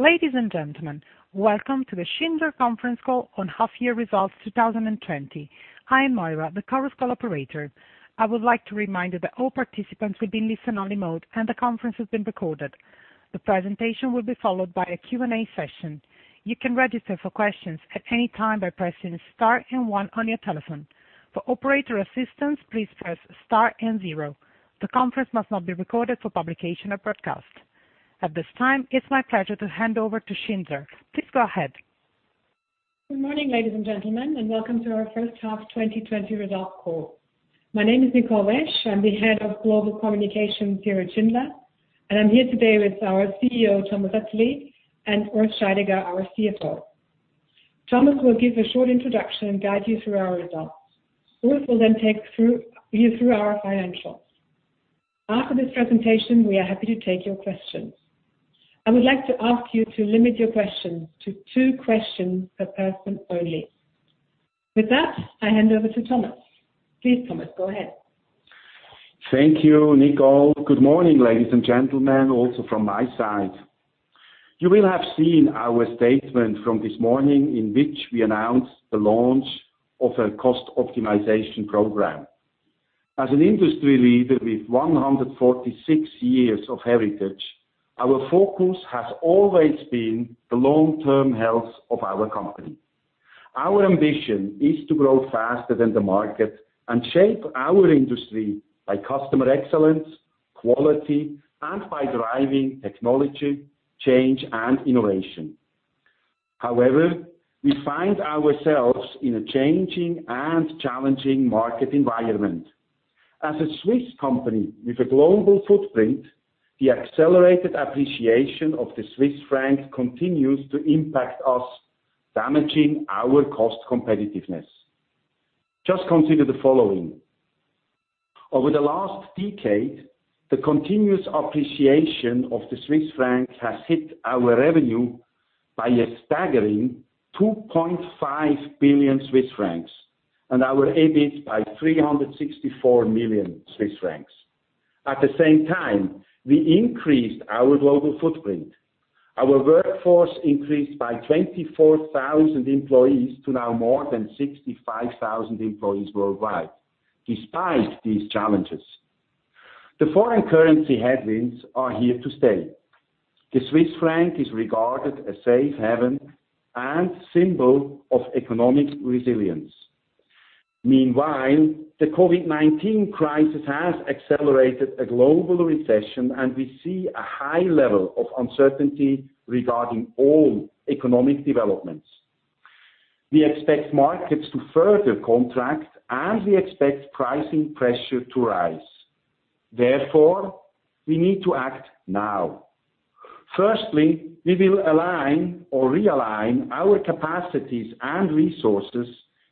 Ladies and gentlemen, welcome to the Schindler Conference Call on Half-Year Results 2020. I am Moira, the Chorus Call operator. I would like to remind you that all participants will be in listen-only mode, and the conference is being recorded. The presentation will be followed by a Q&A session. You can register for questions at any time by pressing star and one on your telephone. For operator assistance, please press star and zero. The conference must not be recorded for publication or broadcast. At this time, it's my pleasure to hand over to Schindler. Please go ahead. Good morning, ladies and gentlemen, and welcome to our First Half 2020 results call. My name is Nicole Wesch, I'm the Head of Global Communications here at Schindler, and I'm here today with our CEO, Thomas Oetterli, and Urs Scheidegger, our CFO. Thomas will give a short introduction and guide you through our results. Urs will take you through our financials. After this presentation, we are happy to take your questions. I would like to ask you to limit your questions to two questions per person only. With that, I hand over to Thomas. Please, Thomas, go ahead. Thank you, Nicole. Good morning, ladies and gentlemen, also from my side. You will have seen our statement from this morning in which we announced the launch of a cost optimization program. As an industry leader with 146 years of heritage, our focus has always been the long-term health of our company. Our ambition is to grow faster than the market and shape our industry by customer excellence, quality, and by driving technology, change, and innovation. We find ourselves in a changing and challenging market environment. As a Swiss company with a global footprint, the accelerated appreciation of the Swiss franc continues to impact us, damaging our cost competitiveness. Just consider the following. Over the last decade, the continuous appreciation of the Swiss franc has hit our revenue by a staggering 2.5 billion Swiss francs, and our EBIT by 364 million Swiss francs. At the same time, we increased our global footprint. Our workforce increased by 24,000 employees to now more than 65,000 employees worldwide, despite these challenges. The foreign currency headwinds are here to stay. The Swiss franc is regarded a safe haven and symbol of economic resilience. Meanwhile, the COVID-19 crisis has accelerated a global recession, and we see a high level of uncertainty regarding all economic developments. We expect markets to further contract, and we expect pricing pressure to rise. Therefore, we need to act now. Firstly, we will align or realign our capacities and resources,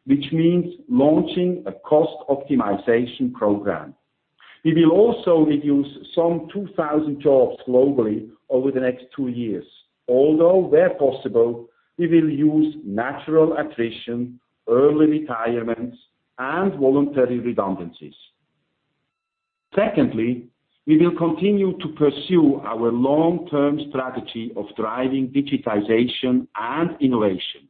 which means launching a cost optimization program. We will also reduce some 2,000 jobs globally over the next two years, although where possible, we will use natural attrition, early retirements, and voluntary redundancies. Secondly, we will continue to pursue our long-term strategy of driving digitization and innovation.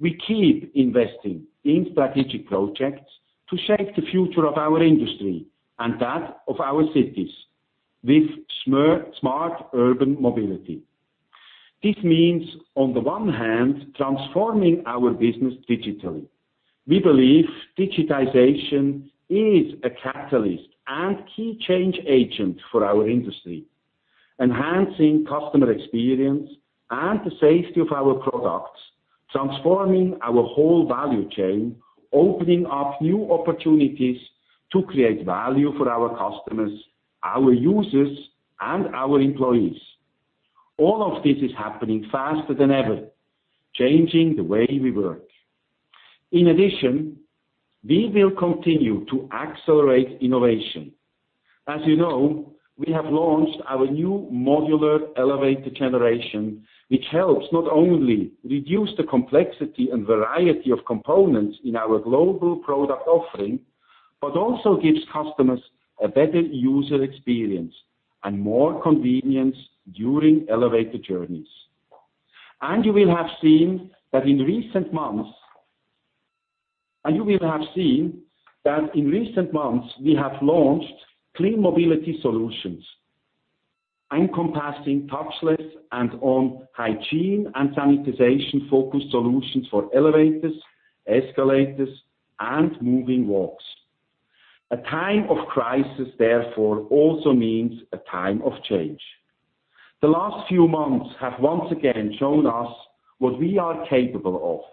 We keep investing in strategic projects to shape the future of our industry and that of our cities with smart urban mobility. This means, on the one hand, transforming our business digitally. We believe digitization is a catalyst and key change agent for our industry, enhancing customer experience and the safety of our products, transforming our whole value chain, opening up new opportunities to create value for our customers, our users, and our employees. All of this is happening faster than ever, changing the way we work. In addition, we will continue to accelerate innovation. As you know, we have launched our new modular elevator generation, which helps not only reduce the complexity and variety of components in our global product offering, but also gives customers a better user experience and more convenience during elevator journeys. You will have seen that in recent months, we have launched clean mobility solutions, encompassing touchless and on hygiene and sanitization-focused solutions for elevators, escalators, and moving walks. A time of crisis, therefore, also means a time of change. The last few months have once again shown us what we are capable of.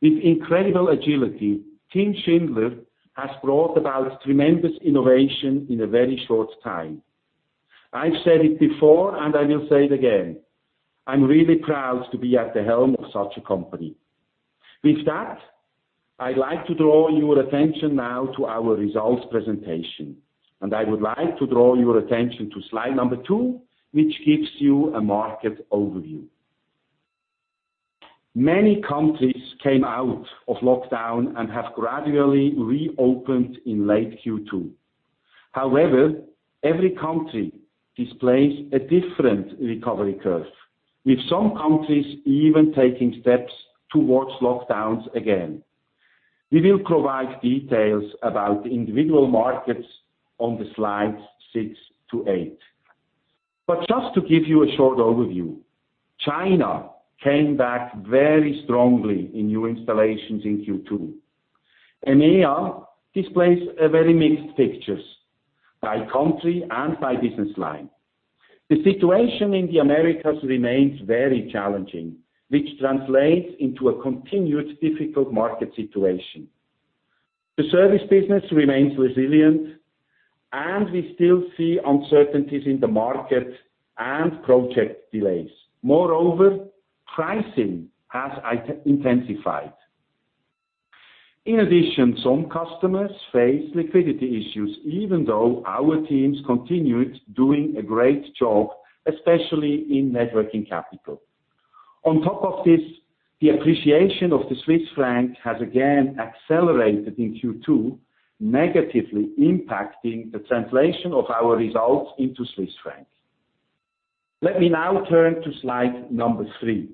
With incredible agility, Team Schindler has brought about tremendous innovation in a very short time. I've said it before and I will say it again, I'm really proud to be at the helm of such a company. With that, I'd like to draw your attention now to our results presentation. I would like to draw your attention to slide number two, which gives you a market overview. Many countries came out of lockdown and have gradually reopened in late Q2. Every country displays a different recovery curve, with some countries even taking steps towards lockdowns again. We will provide details about the individual markets on the slides six-eight. Just to give you a short overview, China came back very strongly in new installations in Q2. EMEA displays a very mixed picture by country and by business line. The situation in the Americas remains very challenging, which translates into a continued difficult market situation. The service business remains resilient, and we still see uncertainties in the market and project delays. Moreover, pricing has intensified. In addition, some customers face liquidity issues, even though our teams continued doing a great job, especially in net working capital. On top of this, the appreciation of the Swiss franc has again accelerated in Q2, negatively impacting the translation of our results into Swiss francs. Let me now turn to slide number three.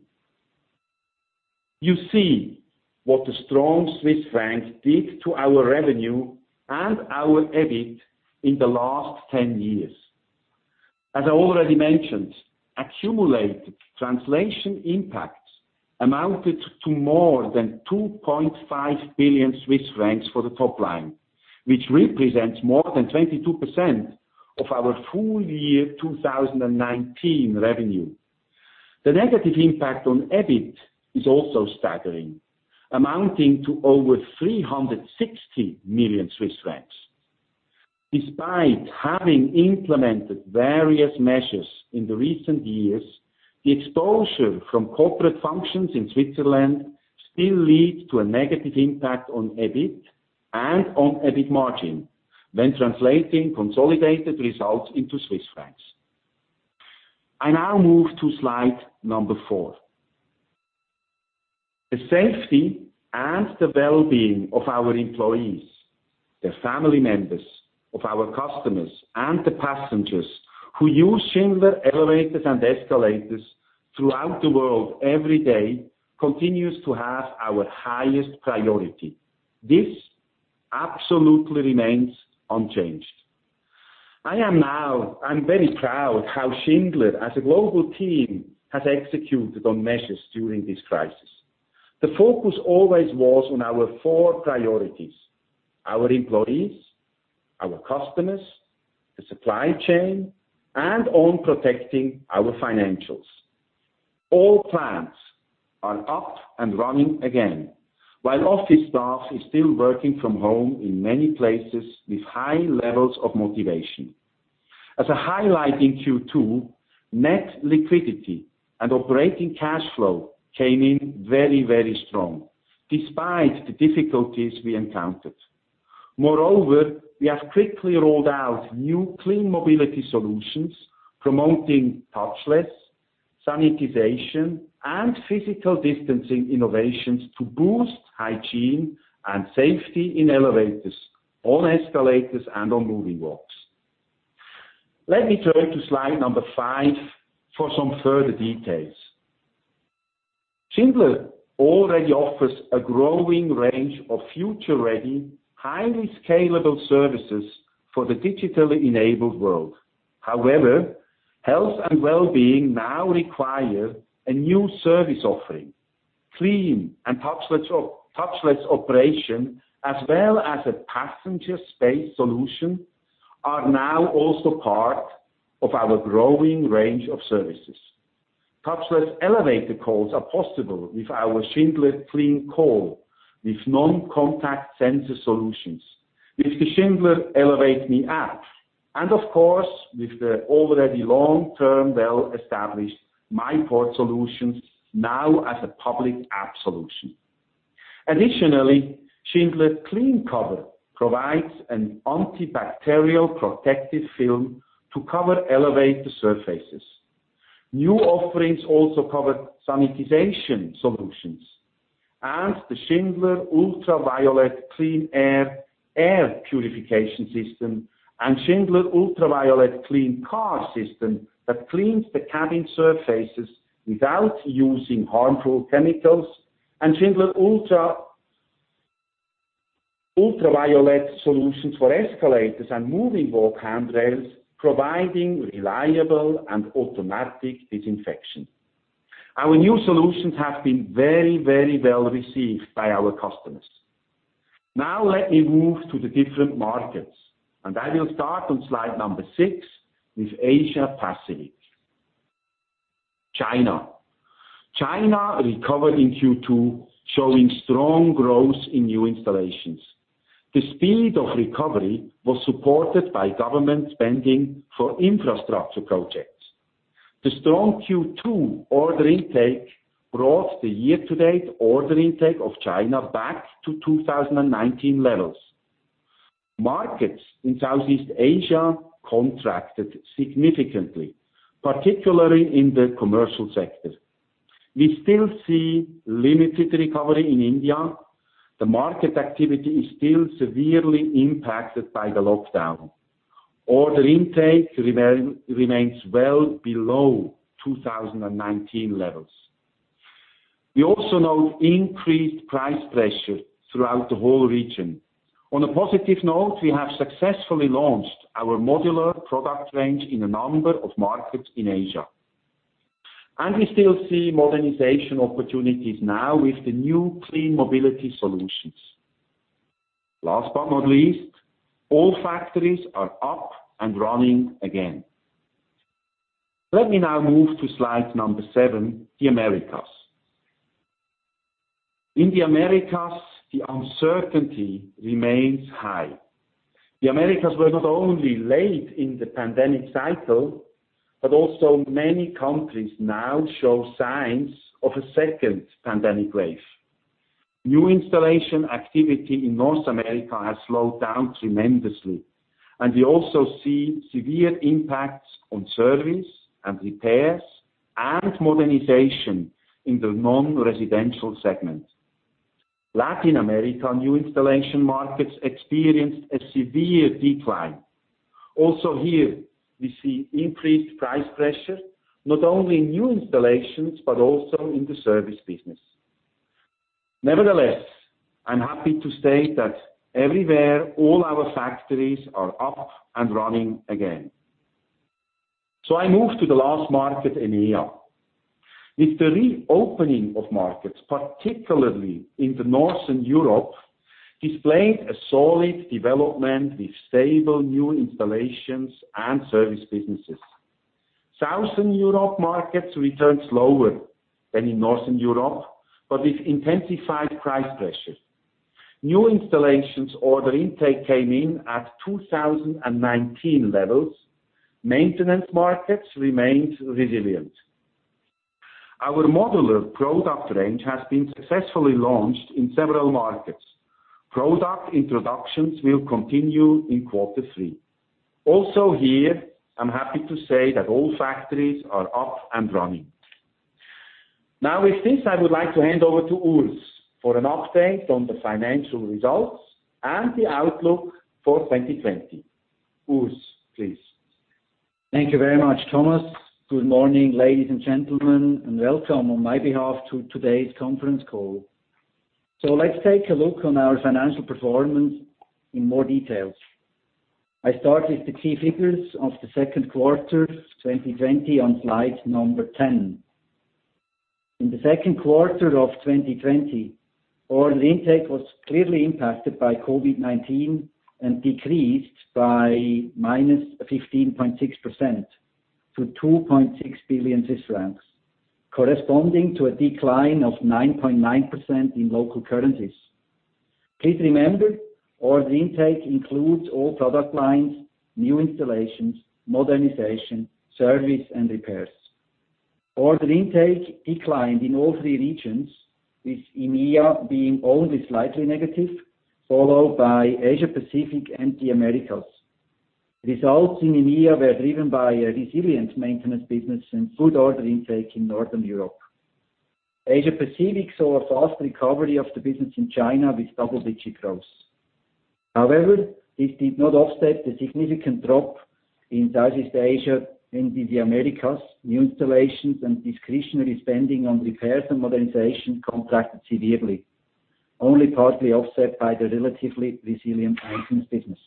You see what a strong CHF did to our revenue and our EBIT in the last 10 years. As I already mentioned, accumulated translation impacts amounted to more than 2.5 billion Swiss francs for the top line, which represents more than 22% of our full year 2019 revenue. The negative impact on EBIT is also staggering, amounting to over 360 million Swiss francs. Despite having implemented various measures in the recent years, the exposure from corporate functions in Switzerland still lead to a negative impact on EBIT and on EBIT margin when translating consolidated results into CHF. I now move to slide number four. The safety and the well-being of our employees, the family members of our customers, and the passengers who use Schindler elevators and escalators throughout the world every day continues to have our highest priority. This absolutely remains unchanged. I am very proud how Schindler, as a global team, has executed on measures during this crisis. The focus always was on our four priorities, our employees, our customers, the supply chain, and on protecting our financials. All plants are up and running again, while office staff is still working from home in many places with high levels of motivation. As a highlight in Q2, net liquidity and operating cash flow came in very, very strong, despite the difficulties we encountered. Moreover, we have quickly rolled out new clean mobility solutions, promoting touchless, sanitization, and physical distancing innovations to boost hygiene and safety in elevators, on escalators, and on moving walks. Let me turn to slide number five for some further details. Schindler already offers a growing range of future-ready, highly scalable services for the digitally enabled world. Health and well-being now require a new service offering. Clean and touchless operation, as well as a passenger space solution, are now also part of our growing range of services. Touchless elevator calls are possible with our Schindler CleanCall, with non-contact sensor solutions, with the Schindler ElevateMe app, and of course, with the already long-term, well-established myPORT solutions now as a public app solution. Additionally, Schindler CleanCover provides an antibacterial protective film to cover elevator surfaces. New offerings also cover sanitization solutions and the Schindler UV CleanAir air purification system, and Schindler UV CleanCar system that cleans the cabin surfaces without using harmful chemicals, and Schindler ultraviolet solutions for escalators and moving walk handrails, providing reliable and automatic disinfection. Our new solutions have been very well received by our customers. Now let me move to the different markets, and I will start on slide number six with Asia Pacific. China. China recovered in Q2, showing strong growth in new installations. The speed of recovery was supported by government spending for infrastructure projects. The strong Q2 order intake brought the year-to-date order intake of China back to 2019 levels. Markets in Southeast Asia contracted significantly, particularly in the commercial sector. We still see limited recovery in India. The market activity is still severely impacted by the lockdown. Order intake remains well below 2019 levels. We also note increased price pressure throughout the whole region. On a positive note, we have successfully launched our modular product range in a number of markets in Asia, and we still see modernization opportunities now with the new clean mobility solutions. Last but not least, all factories are up and running again. Let me now move to slide number seven, the Americas. In the Americas, the uncertainty remains high. The Americas were not only late in the pandemic cycle, but also many countries now show signs of a second pandemic wave. New installation activity in North America has slowed down tremendously, and we also see severe impacts on service and repairs and modernization in the non-residential segment. Latin America new installation markets experienced a severe decline. Here, we see increased price pressure, not only in new installations, but also in the service business. I'm happy to say that everywhere, all our factories are up and running again. I move to the last market, EMEA. With the reopening of markets, particularly in the Northern Europe, displaying a solid development with stable new installations and service businesses. Southern Europe markets returned slower than in Northern Europe, but with intensified price pressure. New installations order intake came in at 2019 levels. Maintenance markets remained resilient. Our modular product range has been successfully launched in several markets. Product introductions will continue in quarter three. Here, I'm happy to say that all factories are up and running. With this, I would like to hand over to Urs for an update on the financial results and the outlook for 2020. Urs, please. Thank you very much, Thomas. Good morning, ladies and gentlemen, and welcome on my behalf to today's conference call. Let's take a look on our financial performance in more details. I start with the key figures of the second quarter 2020 on slide number 10. In the second quarter of 2020, order intake was clearly impacted by COVID-19 and decreased by -15.6% to 2.6 billion Swiss francs, corresponding to a decline of 9.9% in local currencies. Please remember, order intake includes all product lines, new installations, modernization, service, and repairs. Order intake declined in all three regions, with EMEA being only slightly negative, followed by Asia-Pacific and the Americas. Results in EMEA were driven by a resilient maintenance business and good order intake in Northern Europe. Asia-Pacific saw a fast recovery of the business in China with double-digit growth. However, this did not offset the significant drop in Southeast Asia and in the Americas. New installations and discretionary spending on repairs and modernization contracted severely, only partly offset by the relatively resilient maintenance business.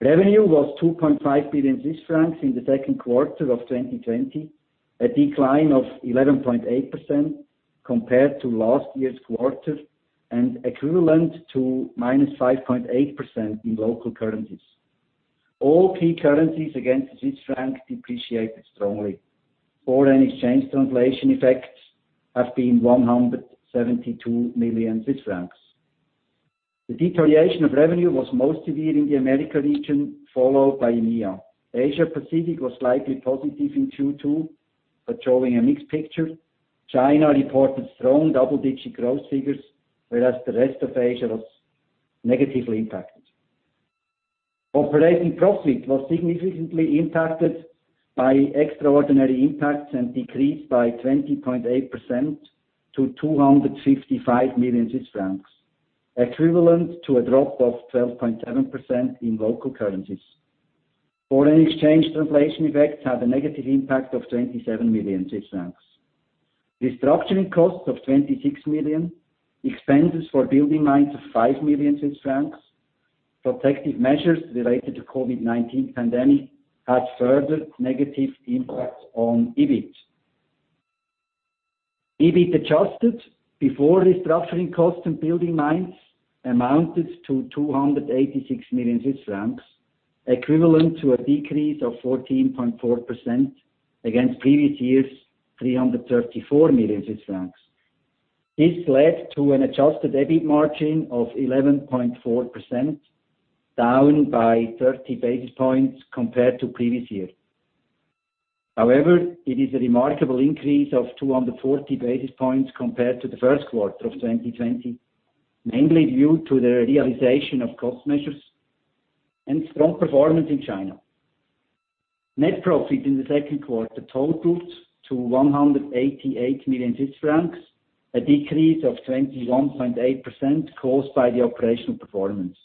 Revenue was 2.5 billion Swiss francs in the second quarter of 2020, a decline of 11.8% compared to last year's quarter and equivalent to -5.8% in local currencies. All key currencies against the Swiss franc depreciated strongly. Foreign exchange translation effects have been 172 million Swiss francs. The deterioration of revenue was most severe in the Americas region, followed by EMEA. Asia-Pacific was slightly positive in Q2, but showing a mixed picture. China reported strong double-digit growth figures, whereas the rest of Asia was negatively impacted. Operating profit was significantly impacted by extraordinary impacts and decreased by 20.8% to 255 million Swiss francs, equivalent to a drop of 12.7% in local currencies. Foreign exchange translation effects had a negative impact of 27 million Swiss francs. Restructuring costs of 26 million, expenses for building management of 5 million Swiss francs, protective measures related to COVID-19 pandemic had further negative impact on EBIT. EBIT adjusted before restructuring costs and building management amounted to 286 million Swiss francs, equivalent to a decrease of 14.4% against previous year's 334 million Swiss francs. This led to an adjusted EBIT margin of 11.4%, down by 30 basis points compared to previous year. It is a remarkable increase of 240 basis points compared to the first quarter of 2020, mainly due to the realization of cost measures and strong performance in China. Net profit in the second quarter totaled to 188 million Swiss francs, a decrease of 21.8% caused by the operational performance.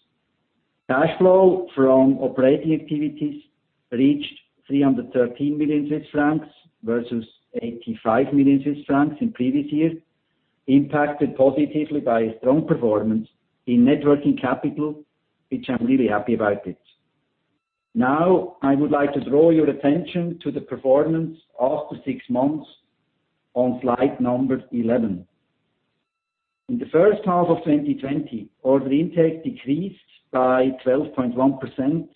Cash flow from operating activities reached 313 million Swiss francs versus 85 million Swiss francs in previous years, impacted positively by a strong performance in net working capital, which I'm really happy about it. I would like to draw your attention to the performance of the six months on slide number 11. In the first half of 2020, order intake decreased by 12.1%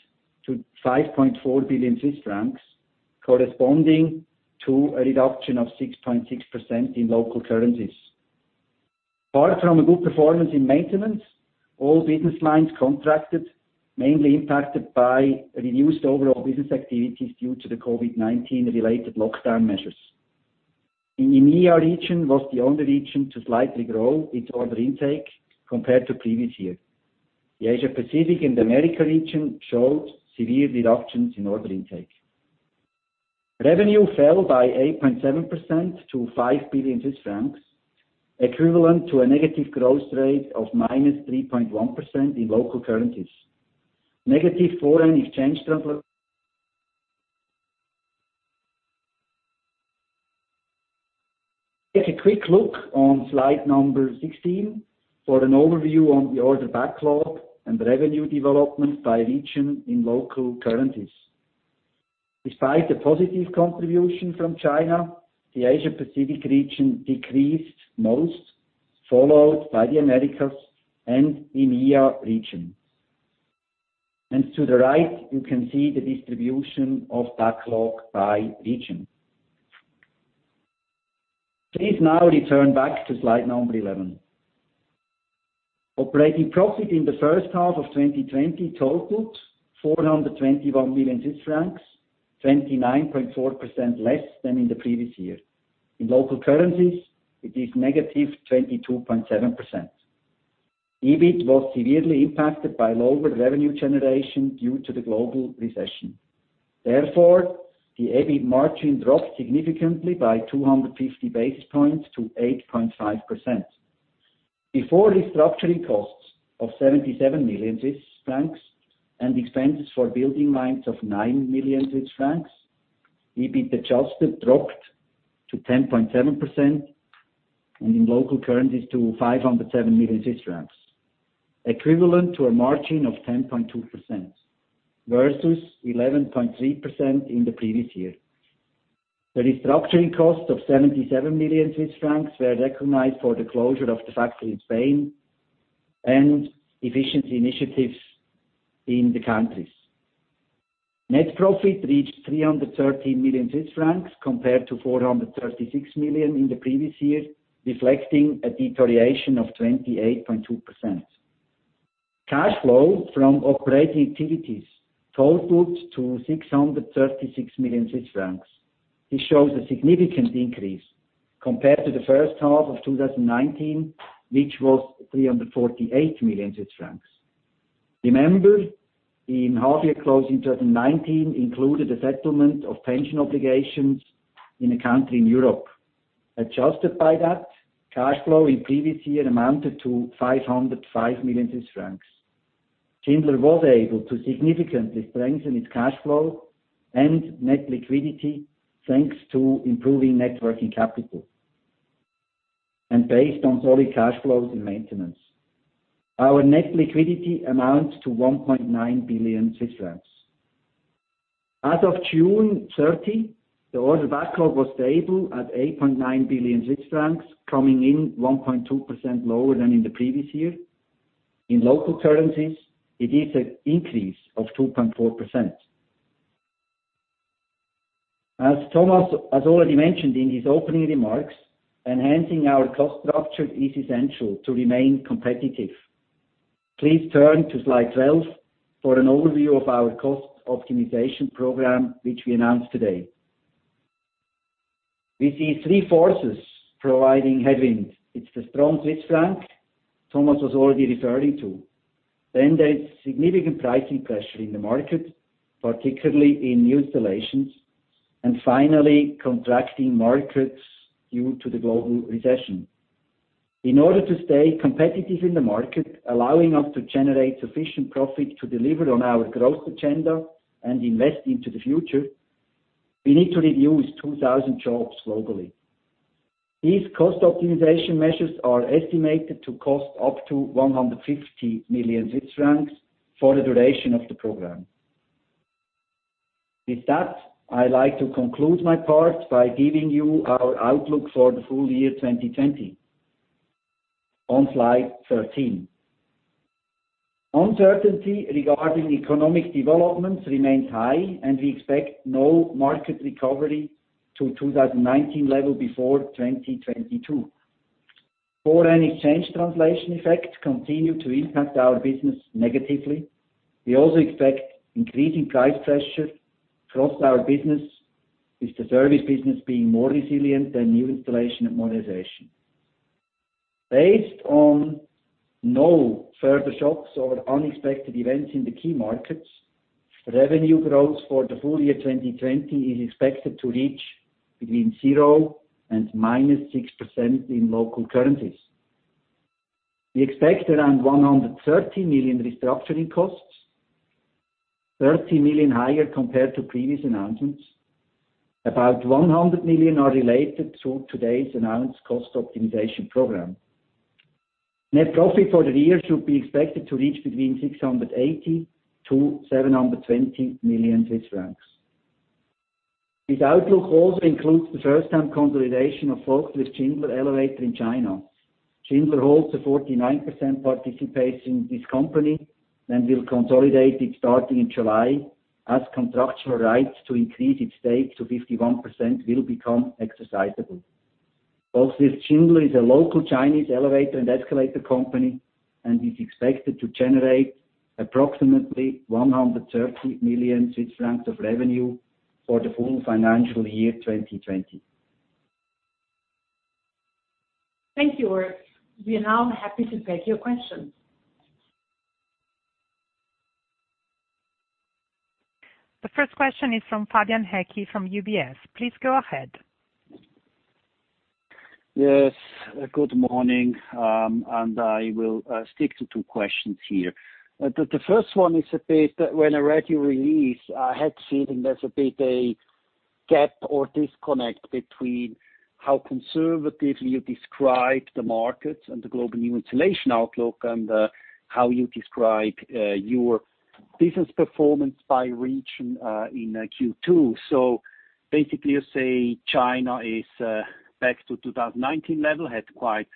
to 5.4 billion Swiss francs, corresponding to a reduction of 6.6% in local currencies. Apart from a good performance in maintenance, all business lines contracted, mainly impacted by reduced overall business activities due to the COVID-19 related lockdown measures. EMEA region was the only region to slightly grow its order intake compared to previous year. The Asia-Pacific and America region showed severe reductions in order intake. Revenue fell by 8.7% to 5 billion Swiss francs, equivalent to a negative growth rate of -3.1% in local currencies. Negative foreign exchange. Take a quick look on slide 16 for an overview on the order backlog and revenue development by region in local currencies. Despite the positive contribution from China, the Asia-Pacific region decreased most, followed by the Americas and EMEA region. To the right, you can see the distribution of backlog by region. Please now return back to slide 11. Operating profit in the first half of 2020 totaled 421 million Swiss francs, 29.4% less than in the previous year. In local currencies, it is -22.7%. EBIT was severely impacted by lower revenue generation due to the global recession. The EBIT margin dropped significantly by 250 basis points to 8.5%. Before restructuring costs of 77 million Swiss francs and expenses for building management of 9 million Swiss francs, EBIT adjusted dropped to 10.7% and in local currencies to 507 million Swiss francs, equivalent to a margin of 10.2% versus 11.3% in the previous year. The restructuring cost of 77 million Swiss francs were recognized for the closure of the factory in Spain and efficiency initiatives in the countries. Net profit reached 313 million Swiss francs compared to 436 million in the previous year, reflecting a deterioration of 28.2%. Cash flow from operating activities totaled to 636 million Swiss francs. This shows a significant increase compared to the first half of 2019, which was 348 million Swiss francs. Remember, in half year closing 2019 included a settlement of pension obligations in a country in Europe. Adjusted by that, cash flow in previous year amounted to 505 million Swiss francs. Schindler was able to significantly strengthen its cash flow and net liquidity, thanks to improving net working capital and based on solid cash flows in maintenance. Our net liquidity amounts to 1.9 billion Swiss francs. As of June 30, the order backlog was stable at 8.9 billion Swiss francs, coming in 1.2% lower than in the previous year. In local currencies, it is an increase of 2.4%. As Thomas has already mentioned in his opening remarks, enhancing our cost structure is essential to remain competitive. Please turn to slide 12 for an overview of our cost optimization program, which we announced today. We see three forces providing headwind. It's the strong Swiss franc. Thomas was already referring to. There's significant pricing pressure in the market, particularly in new installations, and finally, contracting markets due to the global recession. In order to stay competitive in the market, allowing us to generate sufficient profit to deliver on our growth agenda and invest into the future, we need to reduce 2,000 jobs globally. These cost optimization measures are estimated to cost up to 150 million Swiss francs for the duration of the program. With that, I like to conclude my part by giving you our outlook for the full year 2020 on slide 13. Uncertainty regarding economic developments remains high, and we expect no market recovery to 2019 level before 2022. Foreign exchange translation effects continue to impact our business negatively. We also expect increasing price pressure across our business, with the service business being more resilient than new installation and modernization. Based on no further shocks or unexpected events in the key markets, revenue growth for the full year 2020 is expected to reach between 0% and -6% in local currencies. We expect around 130 million restructuring costs, 30 million higher compared to previous announcements. About 100 million are related to today's announced cost optimization program. Net profit for the year should be expected to reach between 680 million-720 million Swiss francs. This outlook also includes the first-time consolidation of Volkslift-Schindler Elevator in China. Schindler holds a 49% participation in this company and will consolidate it starting in July as contractual rights to increase its stake to 51% will become exercisable. Volkslift-Schindler is a local Chinese elevator and escalator company and is expected to generate approximately 130 million Swiss francs of revenue for the full financial year 2020. Thank you, Urs. We are now happy to take your questions. The first question is from Fabian Haecki from UBS. Please go ahead. Yes, good morning. I will stick to two questions here. The first one is a bit when I read your release, I had feeling there's a bit a gap or disconnect between how conservatively you describe the markets and the global new installation outlook and how you describe your business performance by region, in Q2. Basically, you say China is back to 2019 level, had quite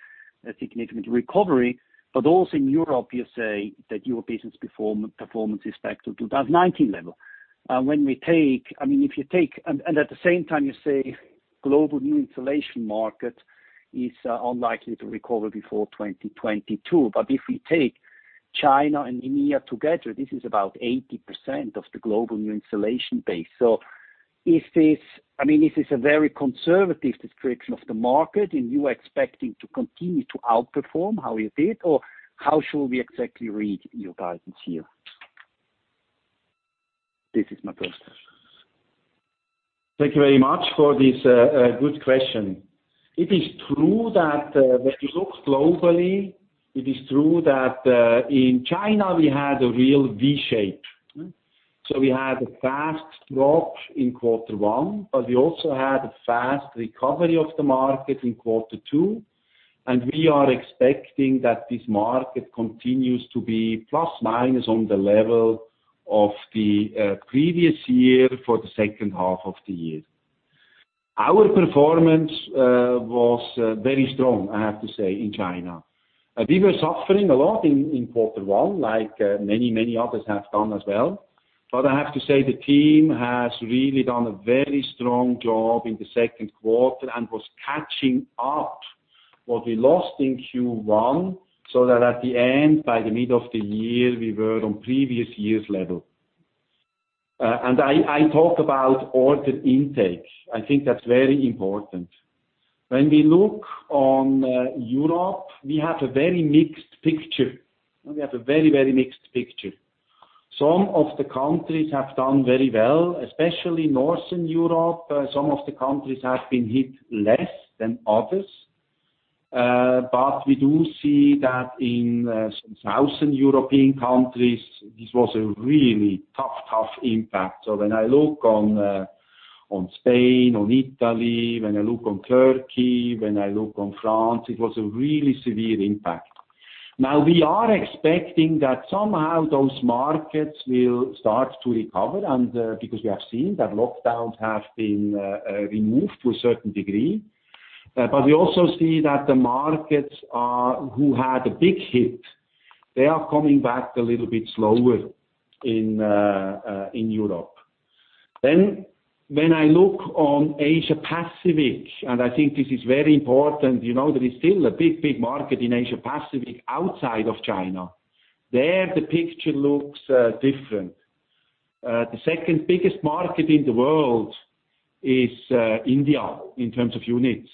a significant recovery, but also in Europe, you say that your business performance is back to 2019 level. At the same time, you say global new installation market is unlikely to recover before 2022. If we take China and EMEA together, this is about 80% of the global new installation base. Is this a very conservative description of the market, and you are expecting to continue to outperform how you did? How should we exactly read your guidance here? This is my first question. Thank you very much for this good question. It is true that when you look globally, it is true that in China, we had a real V shape. We had a fast drop in quarter one, but we also had a fast recovery of the market in quarter two, and we are expecting that this market continues to be plus/minus on the level of the previous year for the second half of the year. Our performance was very strong, I have to say, in China. We were suffering a lot in quarter one, like many others have done as well. I have to say the team has really done a very strong job in the second quarter and was catching up what we lost in Q1, so that at the end, by the middle of the year, we were on previous year's level. I talk about order intake. I think that's very important. When we look on Europe, we have a very mixed picture. We have a very mixed picture. Some of the countries have done very well, especially Northern Europe. Some of the countries have been hit less than others. We do see that in some Southern European countries, this was a really tough impact. When I look on Spain, on Italy, when I look on Turkey, when I look on France, it was a really severe impact. Now, we are expecting that somehow those markets will start to recover, and because we have seen that lockdowns have been removed to a certain degree. We also see that the markets who had a big hit, they are coming back a little bit slower in Europe. When I look on Asia Pacific, and I think this is very important, there is still a big market in Asia Pacific outside of China. There, the picture looks different. The second biggest market in the world is India in terms of units.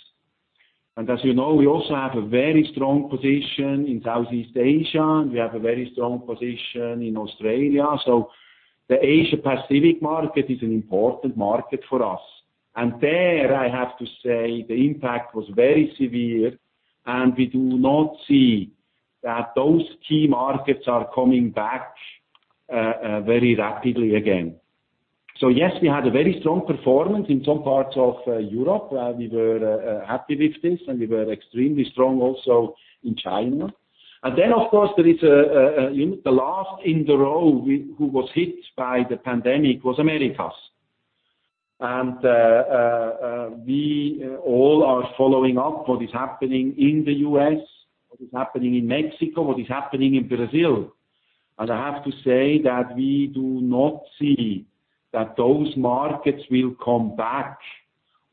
As you know, we also have a very strong position in Southeast Asia, and we have a very strong position in Australia. The Asia Pacific market is an important market for us. There, I have to say, the impact was very severe, and we do not see that those key markets are coming back very rapidly again. Yes, we had a very strong performance in some parts of Europe. We were happy with this, and we were extremely strong also in China. Of course, the last in the row who was hit by the pandemic was Americas. We all are following up what is happening in the U.S., what is happening in Mexico, what is happening in Brazil. I have to say that we do not see that those markets will come back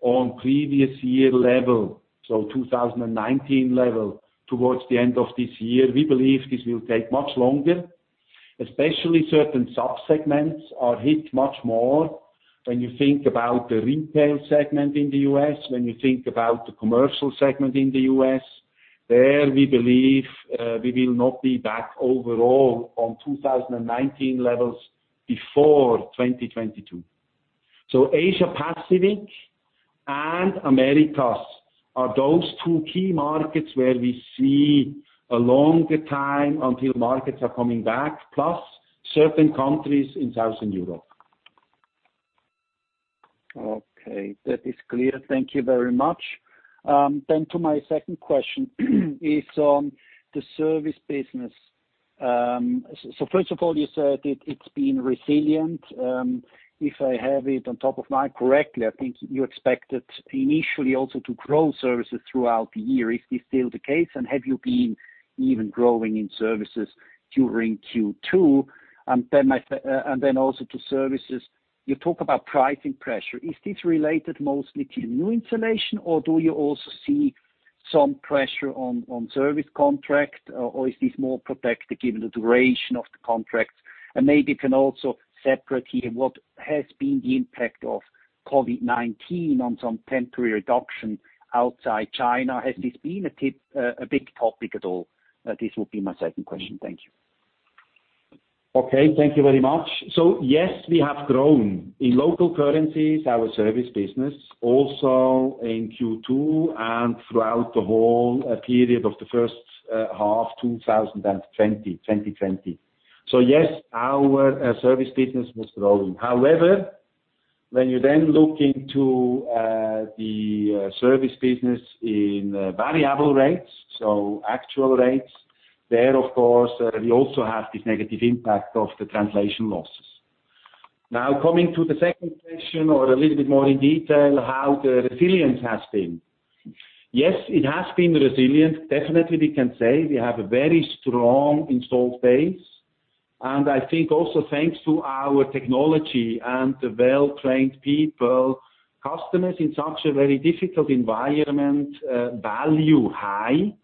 on previous year level, so 2019 level towards the end of this year. We believe this will take much longer, especially certain sub-segments are hit much more when you think about the retail segment in the U.S., when you think about the commercial segment in the U.S. There, we believe we will not be back overall on 2019 levels before 2022. Asia Pacific and Americas are those two key markets where we see a longer time until markets are coming back, plus certain countries in Southern Europe. Okay. That is clear. Thank you very much. To my second question is on the service business. First of all, you said it's been resilient. If I have it on top of mind correctly, I think you expected initially also to grow services throughout the year. Is this still the case, and have you been even growing in services during Q2? Also to services, you talk about pricing pressure. Is this related mostly to new installation, or do you also see some pressure on service contract, or is this more protected given the duration of the contracts? Maybe you can also separate here what has been the impact of COVID-19 on some temporary reduction outside China. Has this been a big topic at all? This will be my second question. Thank you. Okay. Thank you very much. Yes, we have grown in local currencies, our service business, also in Q2 and throughout the whole period of the first half, 2020. Yes, our service business was growing. However, when you then look into the service business in variable rates, so actual rates, there, of course, we also have this negative impact of the translation losses. Now coming to the second question or a little bit more in detail how the resilience has been. Yes, it has been resilient. Definitely we can say we have a very strong installed base. I think also thanks to our technology and the well-trained people, customers in such a very difficult environment value high,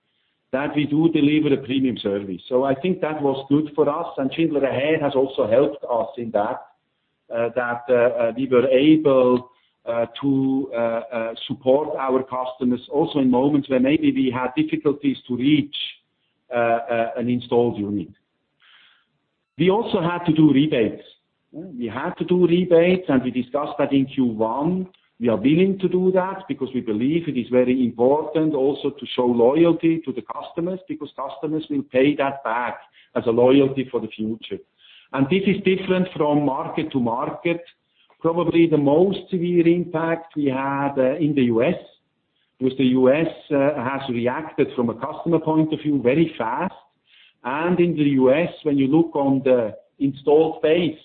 that we do deliver a premium service. I think that was good for us, and Schindler Ahead has also helped us in that we were able to support our customers also in moments where maybe we had difficulties to reach an installed unit. We also had to do rebates, and we discussed that in Q1. We are willing to do that because we believe it is very important also to show loyalty to the customers, because customers will pay that back as a loyalty for the future. This is different from market to market. Probably the most severe impact we had in the U.S., because the U.S. has reacted from a customer point of view very fast. In the U.S., when you look on the installed base,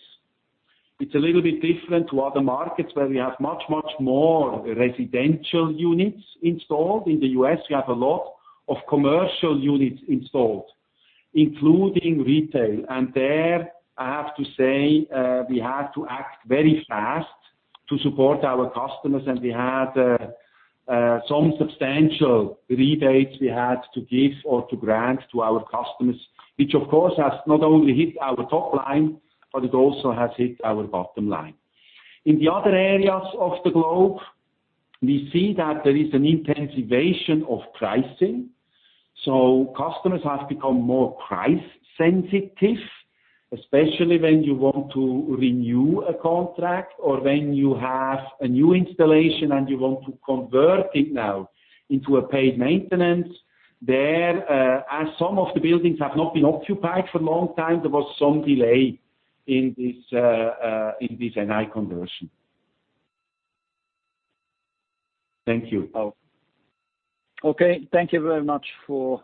it's a little bit different to other markets where we have much, much more residential units installed. In the U.S., we have a lot of commercial units installed, including retail. There, I have to say, we had to act very fast to support our customers, and we had some substantial rebates we had to give or to grant to our customers, which of course has not only hit our top line, but it also has hit our bottom line. In the other areas of the globe, we see that there is an intensification of pricing. Customers have become more price sensitive, especially when you want to renew a contract or when you have a new installation and you want to convert it now into a paid maintenance. There, as some of the buildings have not been occupied for a long time, there was some delay in this NI conversion. Thank you. Okay. Thank you very much for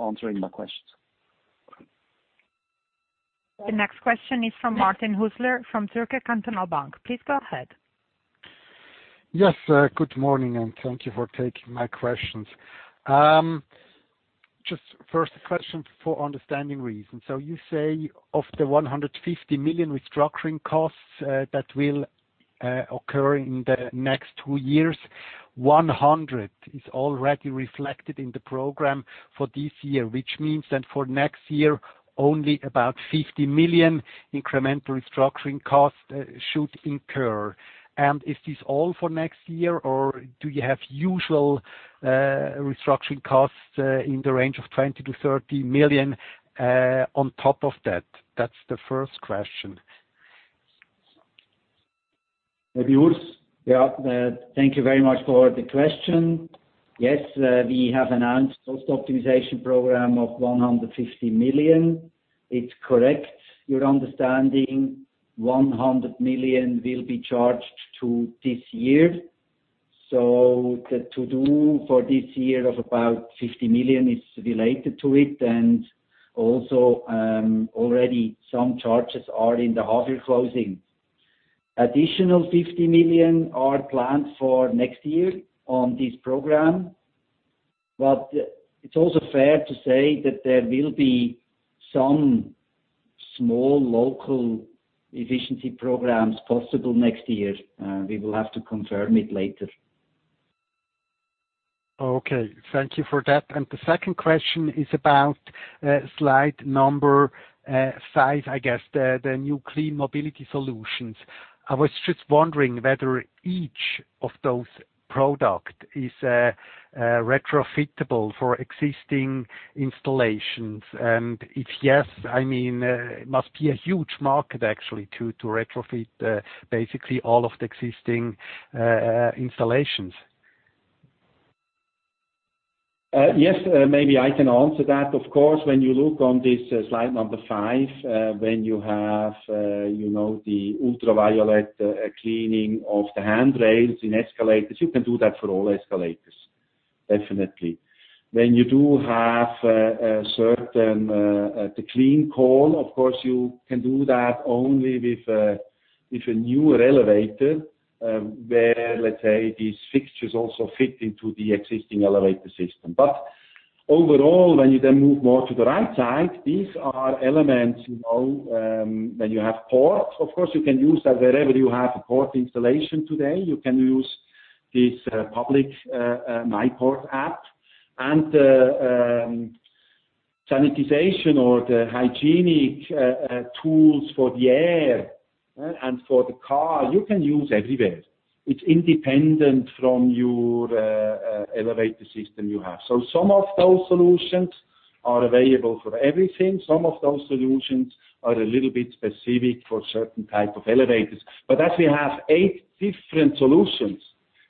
answering my questions. The next question is from Martin Hüsler from Zürcher Kantonalbank. Please go ahead. Yes. Good morning, and thank you for taking my questions. Just first question for understanding reasons. You say of the 150 million restructuring costs that will occur in the next two years, 100 million is already reflected in the program for this year, which means that for next year, only about 50 million incremental restructuring costs should incur. Is this all for next year, or do you have usual restructuring costs in the range of 20 million-30 million on top of that? That's the first question. Maybe Urs? Yeah. Thank you very much for the question. Yes. We have announced cost optimization program of 150 million. It's correct, your understanding. 100 million will be charged to this year. The to-do for this year of about 50 million is related to it, and also already some charges are in the half-year closing. Additional 50 million are planned for next year on this program. It's also fair to say that there will be some small local efficiency programs possible next year. We will have to confirm it later. Okay. Thank you for that. The second question is about slide number five, I guess, the new clean mobility solutions. I was just wondering whether each of those product is retrofittable for existing installations, and if yes, it must be a huge market actually to retrofit basically all of the existing installations. Yes, maybe I can answer that. When you look on this slide number five, when you have the ultraviolet cleaning of the handrails in escalators, you can do that for all escalators, definitely. When you do have a certain Schindler CleanCall. You can do that only with a newer elevator, where these fixtures also fit into the existing elevator system. Overall, when you move more to the right side, these are elements. When you have myPORT, you can use that wherever you have a myPORT installation today, you can use this public myPORT app. The sanitization or the hygienic tools for the air and for the car, you can use everywhere. It's independent from your elevator system you have. Some of those solutions are available for everything. Some of those solutions are a little bit specific for certain type of elevators. As we have eight different solutions,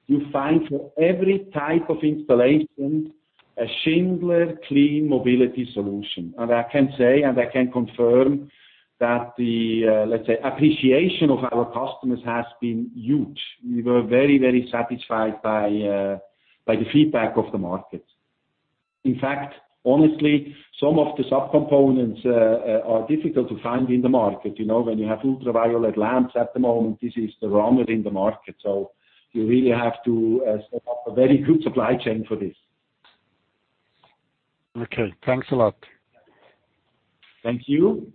you find for every type of installation, a Schindler-clean mobility solution. I can say, and I can confirm that the appreciation of our customers has been huge. We were very satisfied by the feedback of the market. In fact, honestly, some of the sub-components are difficult to find in the market. When you have ultraviolet lamps at the moment, this is the runner in the market, so you really have to set up a very good supply chain for this. Okay, thanks a lot. Thank you.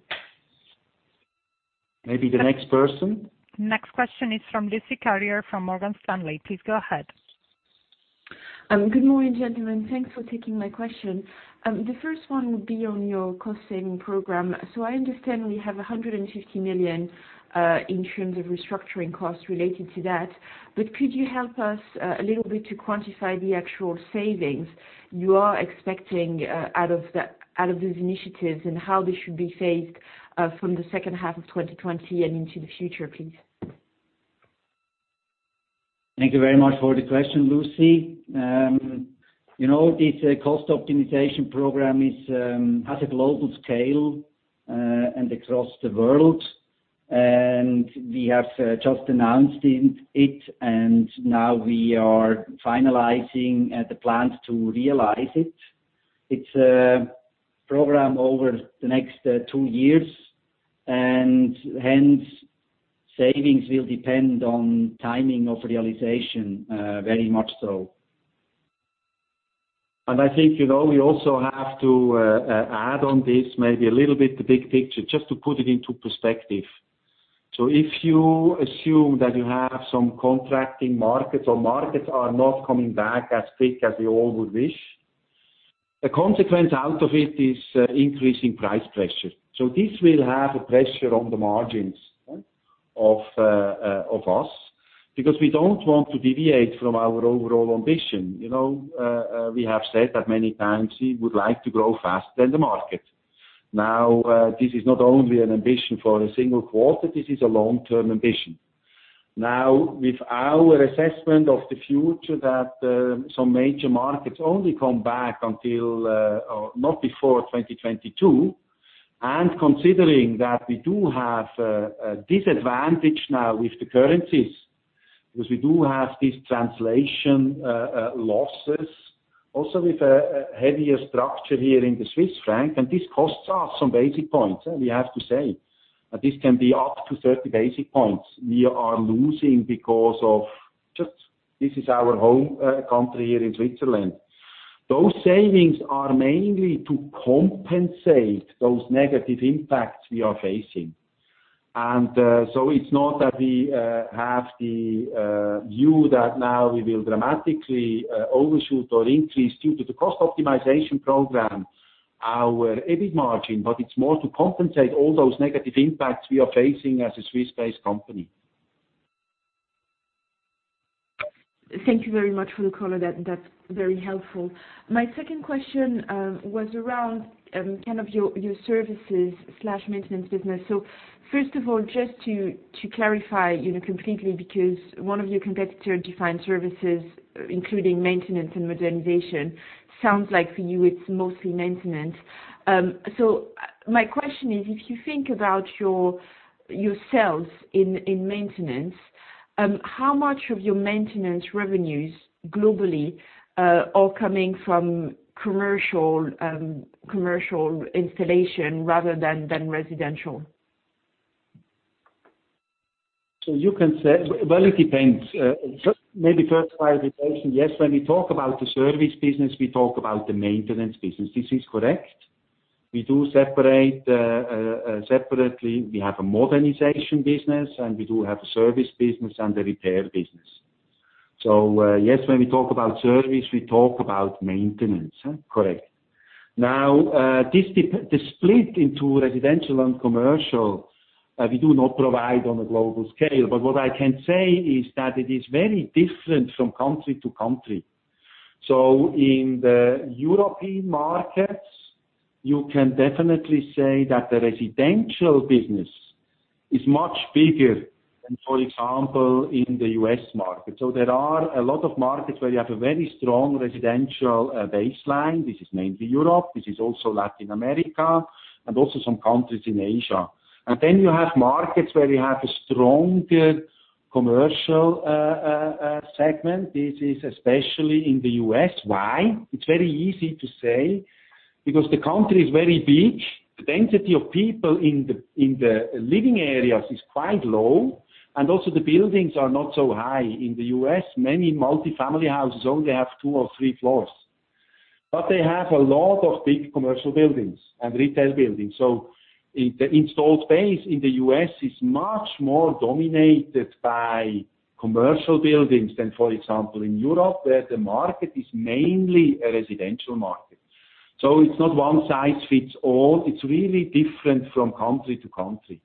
Maybe the next person. Next question is from Lucie Carrier from Morgan Stanley. Please go ahead. Good morning, gentlemen. Thanks for taking my question. The first one would be on your cost-saving program. I understand you have 150 million in terms of restructuring costs related to that. Could you help us a little bit to quantify the actual savings you are expecting out of these initiatives and how they should be phased from the second half of 2020 and into the future, please? Thank you very much for the question, Lucie. This cost optimization program has a global scale, across the world. We have just announced it, now we are finalizing the plans to realize it. It's a program over the next two years, hence savings will depend on timing of realization, very much so. I think, we also have to add on this maybe a little bit the big picture, just to put it into perspective. If you assume that you have some contracting markets or markets are not coming back as quick as we all would wish, a consequence out of it is increasing price pressure. This will have a pressure on the margins of us, because we don't want to deviate from our overall ambition. We have said that many times, we would like to grow faster than the market. This is not only an ambition for a single quarter, this is a long-term ambition. With our assessment of the future that some major markets only come back not before 2022, considering that we do have a disadvantage now with the currencies, because we do have this translation losses, also with a heavier structure here in the Swiss franc, and this costs us some basic points, we have to say. This can be up to 30 basic points we are losing because of just, this is our home country here in Switzerland. Those savings are mainly to compensate those negative impacts we are facing. It's not that we have the view that now we will dramatically overshoot or increase due to the cost optimization program our EBIT margin, but it's more to compensate all those negative impacts we are facing as a Swiss-based company. Thank you very much for the color, that's very helpful. My second question was around your services/maintenance business. First of all, just to clarify completely, because one of your competitor-defined services, including maintenance and modernization, sounds like for you it's mostly maintenance. My question is, if you think about yourselves in maintenance, how much of your maintenance revenues globally are coming from commercial installation rather than residential? You can say. Well, it depends. Maybe first clarification. Yes, when we talk about the service business, we talk about the maintenance business. This is correct. We do separately, we have a modernization business, and we do have a service business and a repair business. Yes, when we talk about service, we talk about maintenance. Correct. Now, the split into residential and commercial, we do not provide on a global scale. What I can say is that it is very different from country to country. In the European markets, you can definitely say that the residential business is much bigger than, for example, in the U.S. market. There are a lot of markets where you have a very strong residential baseline. This is mainly Europe, this is also Latin America, and also some countries in Asia. You have markets where you have a strong commercial segment. This is especially in the U.S. Why? It's very easy to say, because the country is very big. The density of people in the living areas is quite low, and also the buildings are not so high. In the U.S., many multifamily houses only have two or three floors. They have a lot of big commercial buildings and retail buildings. The installed base in the U.S. is much more dominated by commercial buildings than, for example, in Europe, where the market is mainly a residential market. It's not one size fits all. It's really different from country to country.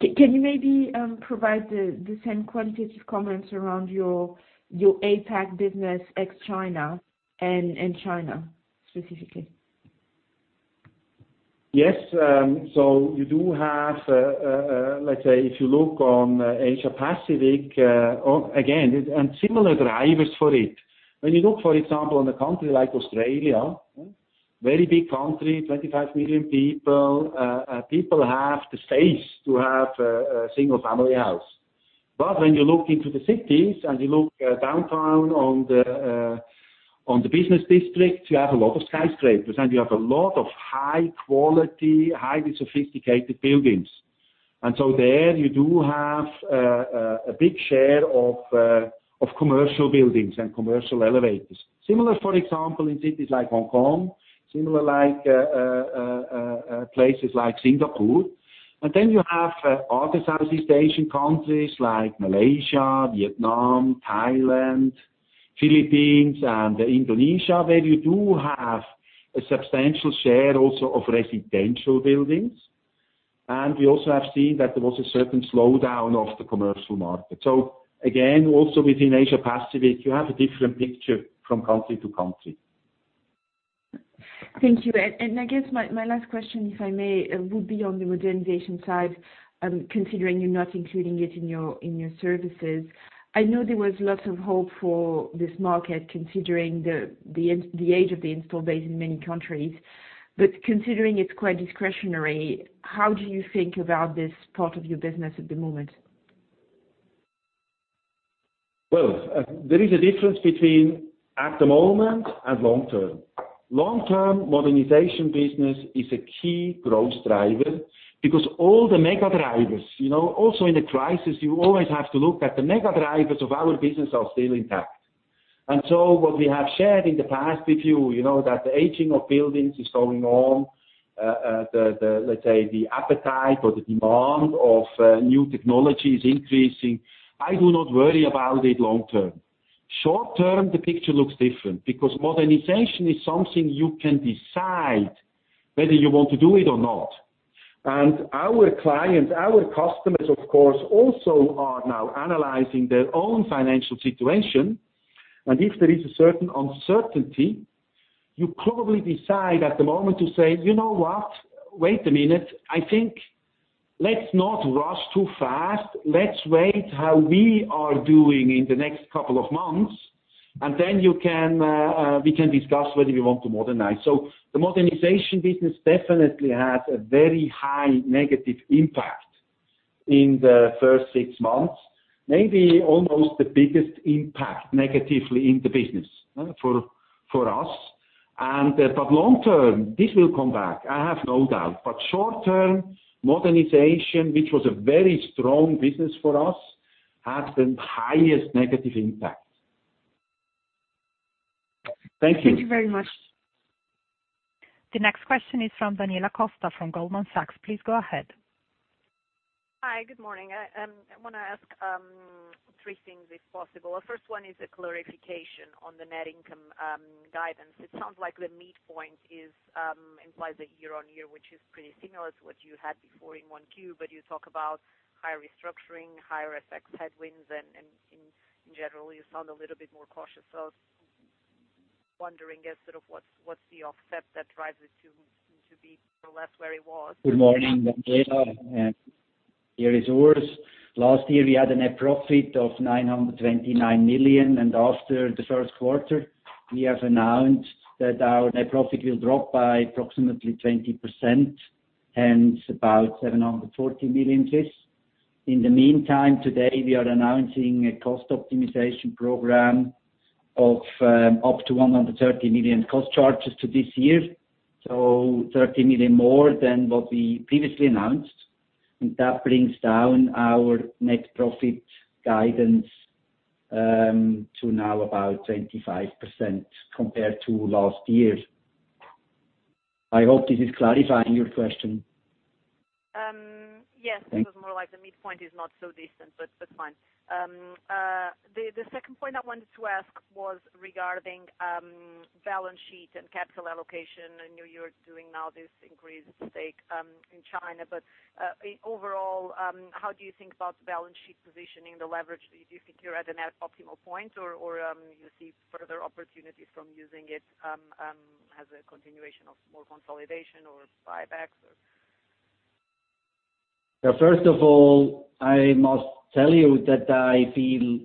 Can you maybe provide the same qualitative comments around your APAC business ex-China and in China specifically? Yes. You do have, let's say if you look on Asia Pacific, again, and similar drivers for it. When you look, for example, in a country like Australia. Very big country, 25 million people. People have the space to have a single-family house. When you look into the cities and you look downtown on the business district, you have a lot of skyscrapers, and you have a lot of high quality, highly sophisticated buildings. There you do have a big share of commercial buildings and commercial elevators. Similar, for example, in cities like Hong Kong, similar like places like Singapore. You have other Southeast Asian countries like Malaysia, Vietnam, Thailand, Philippines and Indonesia, where you do have a substantial share also of residential buildings. We also have seen that there was a certain slowdown of the commercial market. Again, also within Asia Pacific, you have a different picture from country to country. Thank you. I guess my last question, if I may, would be on the modernization side, considering you are not including it in your services. I know there was lots of hope for this market considering the age of the installed base in many countries, but considering it is quite discretionary, how do you think about this part of your business at the moment? Well, there is a difference between at the moment and long-term. Long-term modernization business is a key growth driver because all the mega drivers, also in a crisis, you always have to look that the mega drivers of our business are still intact. What we have shared in the past with you, that the aging of buildings is going on, let's say the appetite or the demand of new technology is increasing. I do not worry about it long-term. Short-term, the picture looks different because modernization is something you can decide whether you want to do it or not. Our clients, our customers, of course, also are now analyzing their own financial situation. If there is a certain uncertainty, you probably decide at the moment to say, "You know what? Wait a minute. I think let's not rush too fast. Let's wait how we are doing in the next couple of months, and then we can discuss whether we want to modernize." The modernization business definitely had a very high negative impact in the first six months, maybe almost the biggest impact negatively in the business for us. Long-term, this will come back, I have no doubt. Short-term, modernization, which was a very strong business for us, had the highest negative impact. Thank you. Thank you very much. The next question is from Daniela Costa from Goldman Sachs. Please go ahead. Hi. Good morning. I want to ask three things, if possible. First one is a clarification on the net income guidance. It sounds like the midpoint implies a year-over-year, which is pretty similar to what you had before in 1Q. You talk about higher restructuring, higher FX headwinds, and in general, you sound a little bit more cautious. I was wondering as sort of what's the offset that drives it to be more or less where it was? Good morning, Daniela. Here is Urs. Last year, we had a net profit of 929 million. After the first quarter, we have announced that our net profit will drop by approximately 20%, hence about 740 million. In the meantime, today, we are announcing a cost optimization program of up to 130 million cost charges to this year, so 30 million more than what we previously announced. That brings down our net profit guidance to now about 25% compared to last year. I hope this is clarifying your question. Yes. It was more like the midpoint is not so distant, but fine. The second point I wanted to ask was regarding balance sheet and capital allocation. I know you're doing now this increased stake in China, but, overall, how do you think about balance sheet positioning, the leverage? Do you think you're at an optimal point, or you see further opportunities from using it, as a continuation of more consolidation or buybacks? First of all, I must tell you that I feel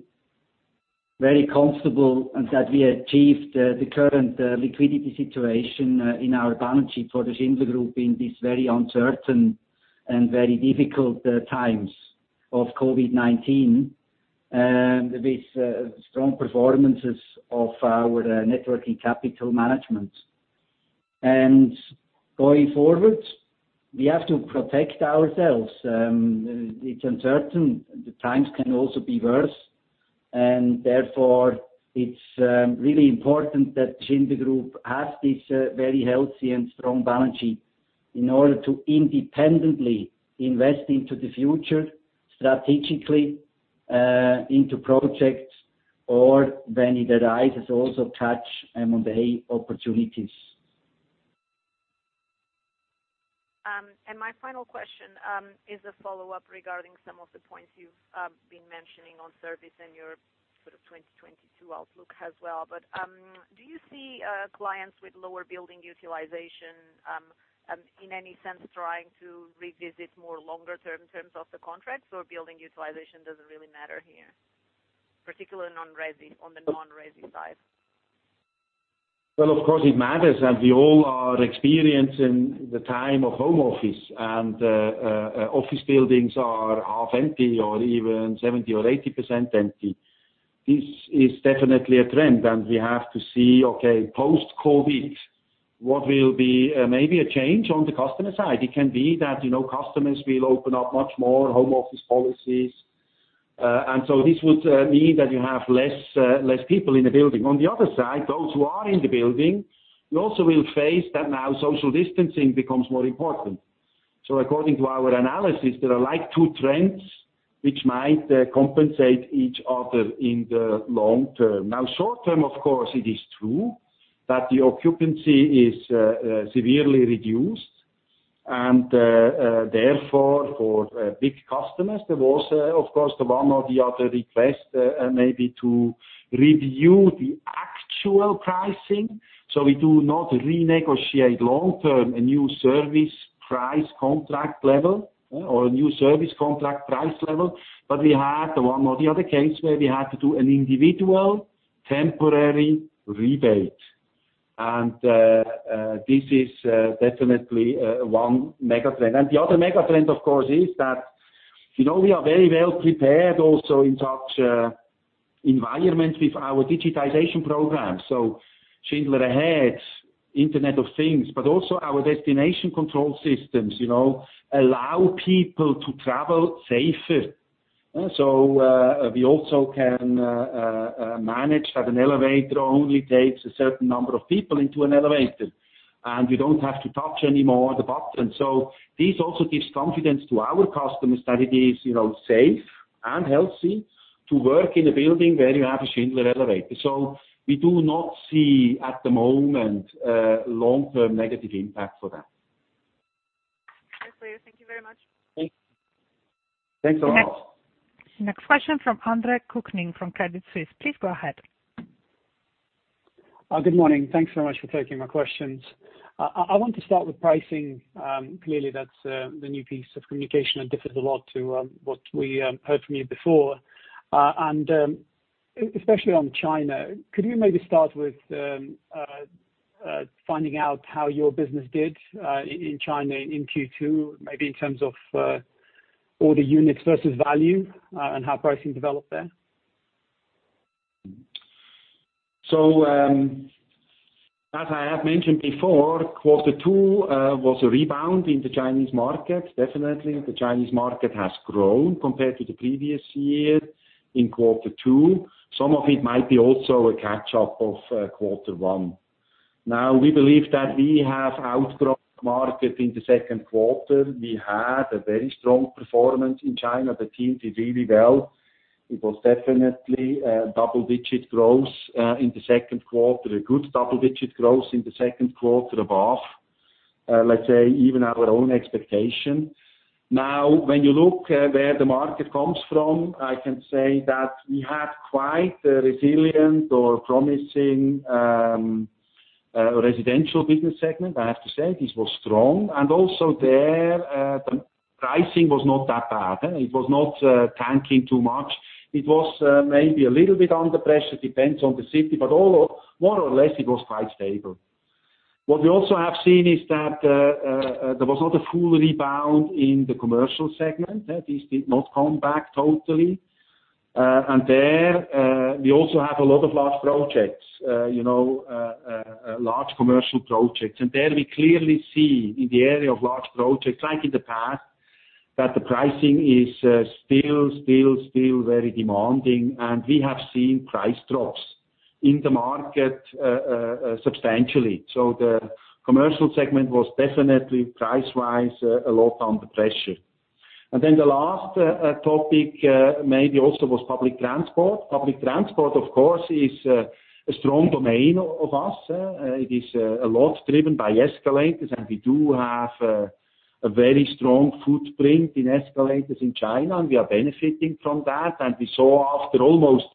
very comfortable and that we achieved the current liquidity situation in our balance sheet for the Schindler Group in this very uncertain and very difficult times of COVID-19, with strong performances of our net working capital management. Going forward, we have to protect ourselves. It's uncertain. The times can also be worse. Therefore, it's really important that Schindler Group has this very healthy and strong balance sheet in order to independently invest into the future strategically, into projects, or when it arises, also touch M&A opportunities. My final question is a follow-up regarding some of the points you've been mentioning on service and your sort of 2022 outlook as well. Do you see clients with lower building utilization, in any sense, trying to revisit more longer term in terms of the contracts, or building utilization doesn't really matter here, particularly on the non-resi side? Well, of course, it matters, and we all are experiencing the time of home office and office buildings are half empty or even 70% or 80% empty. This is definitely a trend, and we have to see, okay, post-COVID, what will be maybe a change on the customer side. It can be that customers will open up much more home office policies. This would mean that you have less people in the building. On the other side, those who are in the building, you also will face that now social distancing becomes more important. According to our analysis, there are two trends which might compensate each other in the long term. Now, short term, of course, it is true that the occupancy is severely reduced, and therefore, for big customers, there was, of course, the one or the other request, maybe to review the actual pricing. We do not renegotiate long-term a new service price contract level or a new service contract price level. We had the one or the other case where we had to do an individual temporary rebate. This is definitely one mega-trend. The other mega-trend, of course, is that we are very well prepared also in such environments with our digitization programs. Schindler Ahead, Internet of Things, but also our destination control systems allow people to travel safer. We also can manage that an elevator only takes a certain number of people into an elevator, and you don't have to touch anymore the button. This also gives confidence to our customers that it is safe and healthy to work in a building where you have a Schindler elevator. We do not see at the moment a long-term negative impact for that. Okay. Thank you very much. Thanks. Thanks a lot. Next question from Andre Kukhnin from Credit Suisse. Please go ahead. Good morning. Thanks very much for taking my questions. I want to start with pricing. Clearly, that's the new piece of communication that differs a lot to what we heard from you before. Especially on China, could you maybe start with finding out how your business did, in China in Q2, maybe in terms of ordered units versus value, and how pricing developed there? As I have mentioned before, quarter two was a rebound in the Chinese market. The Chinese market has grown compared to the previous year in quarter two. Some of it might be also a catch-up of quarter one. We believe that we have outgrown the market in the second quarter. We had a very strong performance in China. The team did really well. It was definitely a double-digit growth in the second quarter, a good double-digit growth in the second quarter above, let's say, even our own expectation. When you look where the market comes from, I can say that we had quite a resilient or promising residential business segment. I have to say, this was strong. Also there, the pricing was not that bad. It was not tanking too much. It was maybe a little bit under pressure, depends on the city, but more or less, it was quite stable. What we also have seen is that there was not a full rebound in the commercial segment. These did not come back totally. There, we also have a lot of large projects, large commercial projects. There we clearly see in the area of large projects, like in the past, that the pricing is still very demanding. We have seen price drops in the market, substantially. The commercial segment was definitely, price-wise, a lot under pressure. The last topic maybe also was public transport. Public transport, of course, is a strong domain of us. It is a lot driven by escalators, and we do have a very strong footprint in escalators in China, and we are benefiting from that. We saw after almost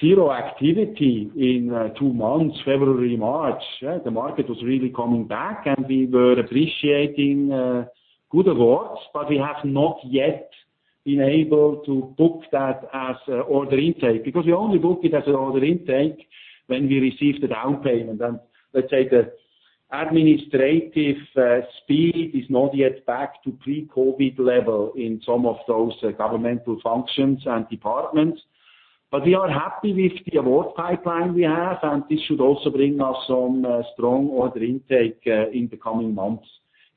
zero activity in two months, February, March, the market was really coming back, and we were appreciating good awards. We have not yet been able to book that as order intake, because we only book it as an order intake when we receive the down payment. Let's say the administrative speed is not yet back to pre-COVID level in some of those governmental functions and departments. We are happy with the award pipeline we have, and this should also bring us some strong order intake in the coming months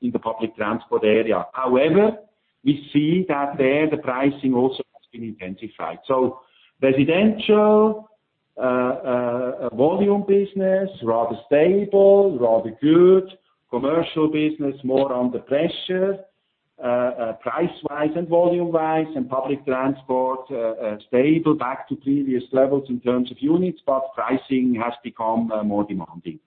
in the public transport area. However, we see that there, the pricing also has been intensified. Residential volume business, rather stable, rather good. Commercial business, more under pressure, price-wise and volume-wise. Public transport, stable, back to previous levels in terms of units, but pricing has become more demanding.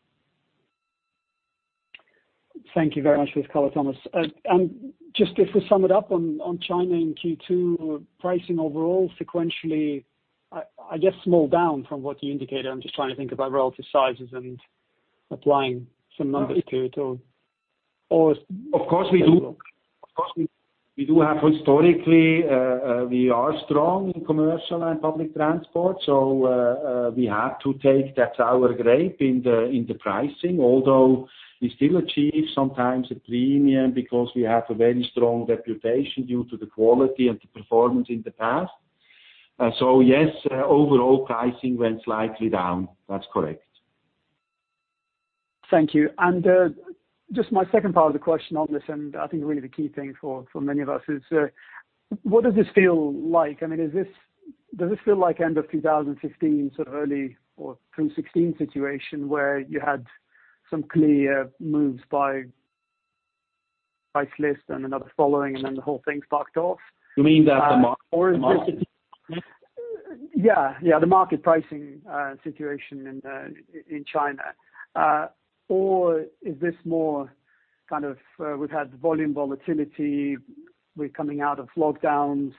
Thank you very much for the color, Thomas. Just if we sum it up on China in Q2, pricing overall, sequentially, I guess small down from what you indicated. I'm just trying to think about relative sizes and applying some numbers to it. Of course, we do have historically, we are strong in commercial and public transport, we have to take that sour grape in the pricing, although we still achieve sometimes a premium because we have a very strong reputation due to the quality and the performance in the past. Yes, overall pricing went slightly down. That's correct. Thank you. Just my second part of the question on this, and I think really the key thing for many of us is, what does this feel like? Does this feel like end of 2015, sort of early or 2016 situation, where you had some clear moves by price list and another following, and then the whole thing sparked off? You mean the market? Yeah. The market pricing situation in China. Is this more kind of, we've had volume volatility, we're coming out of lockdowns,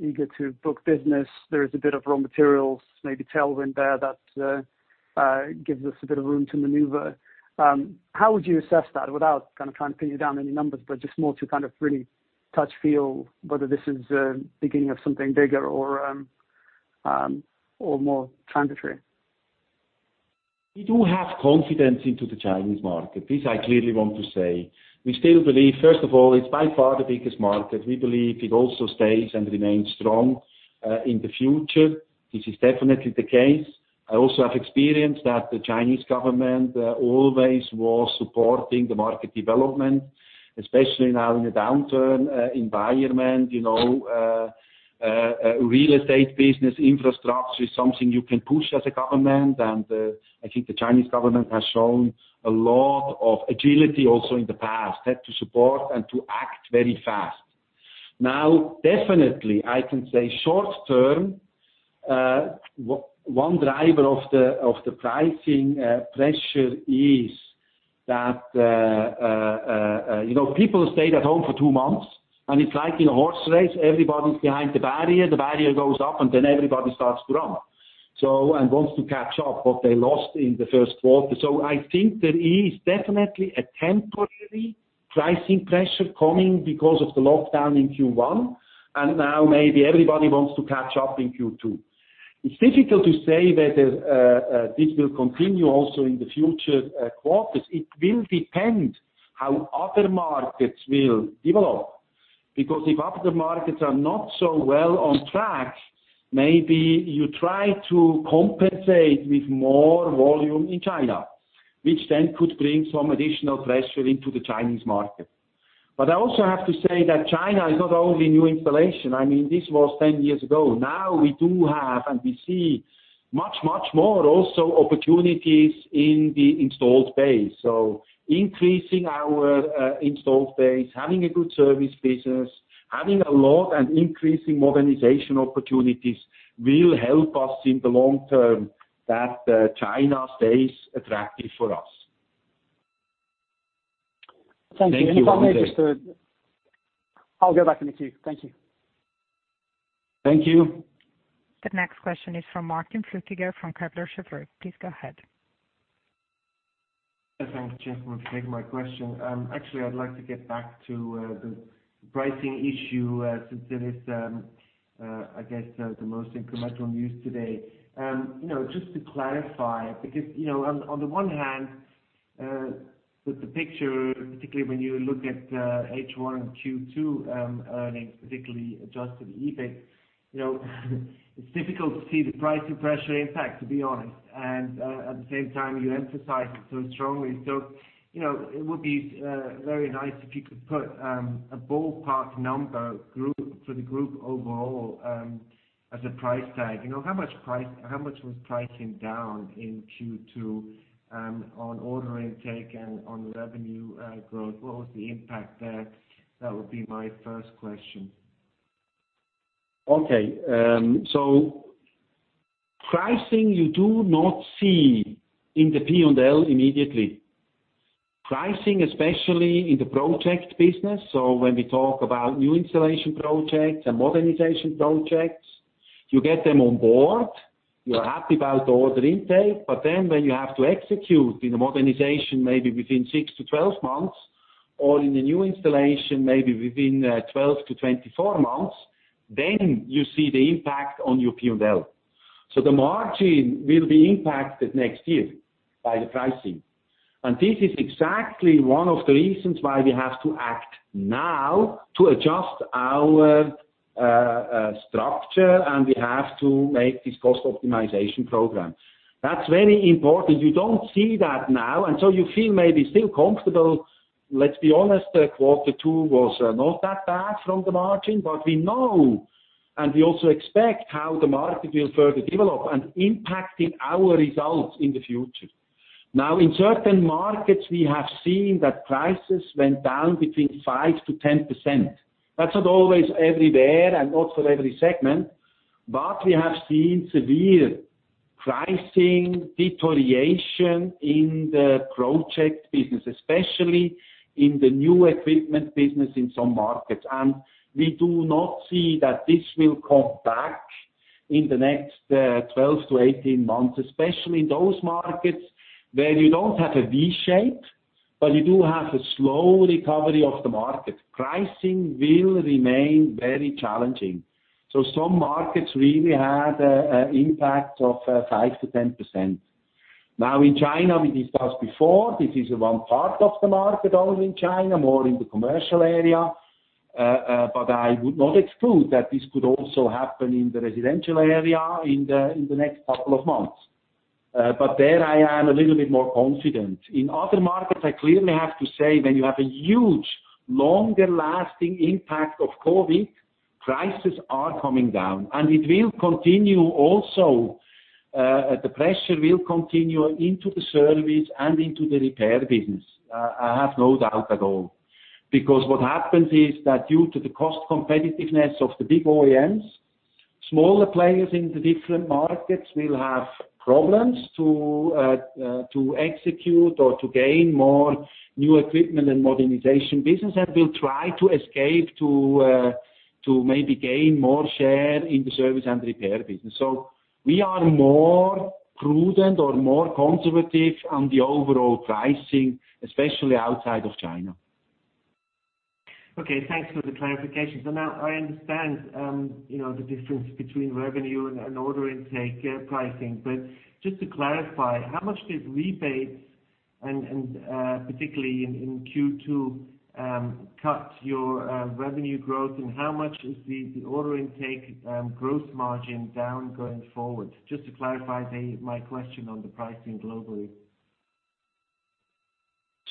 eager to book business. There is a bit of raw materials, maybe tailwind there that gives us a bit of room to maneuver. How would you assess that without trying to pin you down any numbers, but just more to kind of really touch, feel whether this is the beginning of something bigger or more transitory? We do have confidence into the Chinese market. This I clearly want to say. We still believe, first of all, it's by far the biggest market. We believe it also stays and remains strong in the future. This is definitely the case. I also have experienced that the Chinese government always was supporting the market development, especially now in a downturn environment. Real estate business infrastructure is something you can push as a government, and I think the Chinese government has shown a lot of agility also in the past, had to support and to act very fast. Now, definitely, I can say short-term, one driver of the pricing pressure is that people stayed at home for two months, and it's like in a horse race, everybody's behind the barrier. The barrier goes up, and then everybody starts to run and wants to catch up what they lost in the first quarter. I think there is definitely a temporary pricing pressure coming because of the lockdown in Q1, and now maybe everybody wants to catch up in Q2. It's difficult to say whether this will continue also in the future quarters. It will depend how other markets will develop, because if other markets are not so well on track, maybe you try to compensate with more volume in China, which then could bring some additional pressure into the Chinese market. I also have to say that China is not only new installation. This was 10 years ago. Now we do have, and we see much, much more also opportunities in the installed base. Increasing our installed base, having a good service business, having a lot and increasing modernization opportunities will help us in the long term that China stays attractive for us. Thank you. If I may just I'll get back to you. Thank you. Thank you. The next question is from Markus Frutig from Kepler Cheuvreux. Please go ahead. Thanks, gentlemen, for taking my question. Actually, I'd like to get back to the pricing issue, since it is, I guess, the most incremental news today. Just to clarify, because, on the one hand, with the picture, particularly when you look at H1 and Q2 earnings, particularly adjusted EBIT. It's difficult to see the pricing pressure impact, to be honest. At the same time, you emphasize it so strongly. It would be very nice if you could put a ballpark number for the group overall, as a price tag. How much was pricing down in Q2 on order intake and on revenue growth? What was the impact there? That would be my first question. Okay. Pricing you do not see in the P&L immediately. Pricing, especially in the project business. When we talk about new installation projects and modernization projects, you get them on board, you're happy about the order intake, but then when you have to execute in the modernization, maybe within 6-12 months, or in the new installation, maybe within 12-24 months, then you see the impact on your P&L. The margin will be impacted next year by the pricing. This is exactly one of the reasons why we have to act now to adjust our structure, and we have to make this cost optimization program. That's very important. You don't see that now, and so you feel maybe still comfortable. Let's be honest, quarter two was not that bad from the margin. We know, and we also expect how the market will further develop and impact our results in the future. Now, in certain markets, we have seen that prices went down between 5%-10%. That's not always everywhere and not for every segment. We have seen severe pricing deterioration in the project business, especially in the new equipment business in some markets. We do not see that this will come back in the next 12-18 months, especially in those markets where you don't have a V shape, but you do have a slow recovery of the market. Pricing will remain very challenging. Some markets really had an impact of 5%-10%. Now in China, we discussed before, this is one part of the market, only in China, more in the commercial area. I would not exclude that this could also happen in the residential area in the next couple of months. There I am a little bit more confident. In other markets, I clearly have to say, when you have a huge, longer-lasting impact of COVID, prices are coming down. It will continue also, the pressure will continue into the service and into the repair business. I have no doubt at all. What happens is that due to the cost competitiveness of the big OEMs, smaller players in the different markets will have problems to execute or to gain more new equipment and modernization business, and will try to escape to maybe gain more share in the service and repair business. We are more prudent or more conservative on the overall pricing, especially outside of China. Okay, thanks for the clarification. Now I understand the difference between revenue and order intake pricing. Just to clarify, how much did rebates, and particularly in Q2, cut your revenue growth, and how much is the order intake growth margin down going forward? Just to clarify my question on the pricing globally.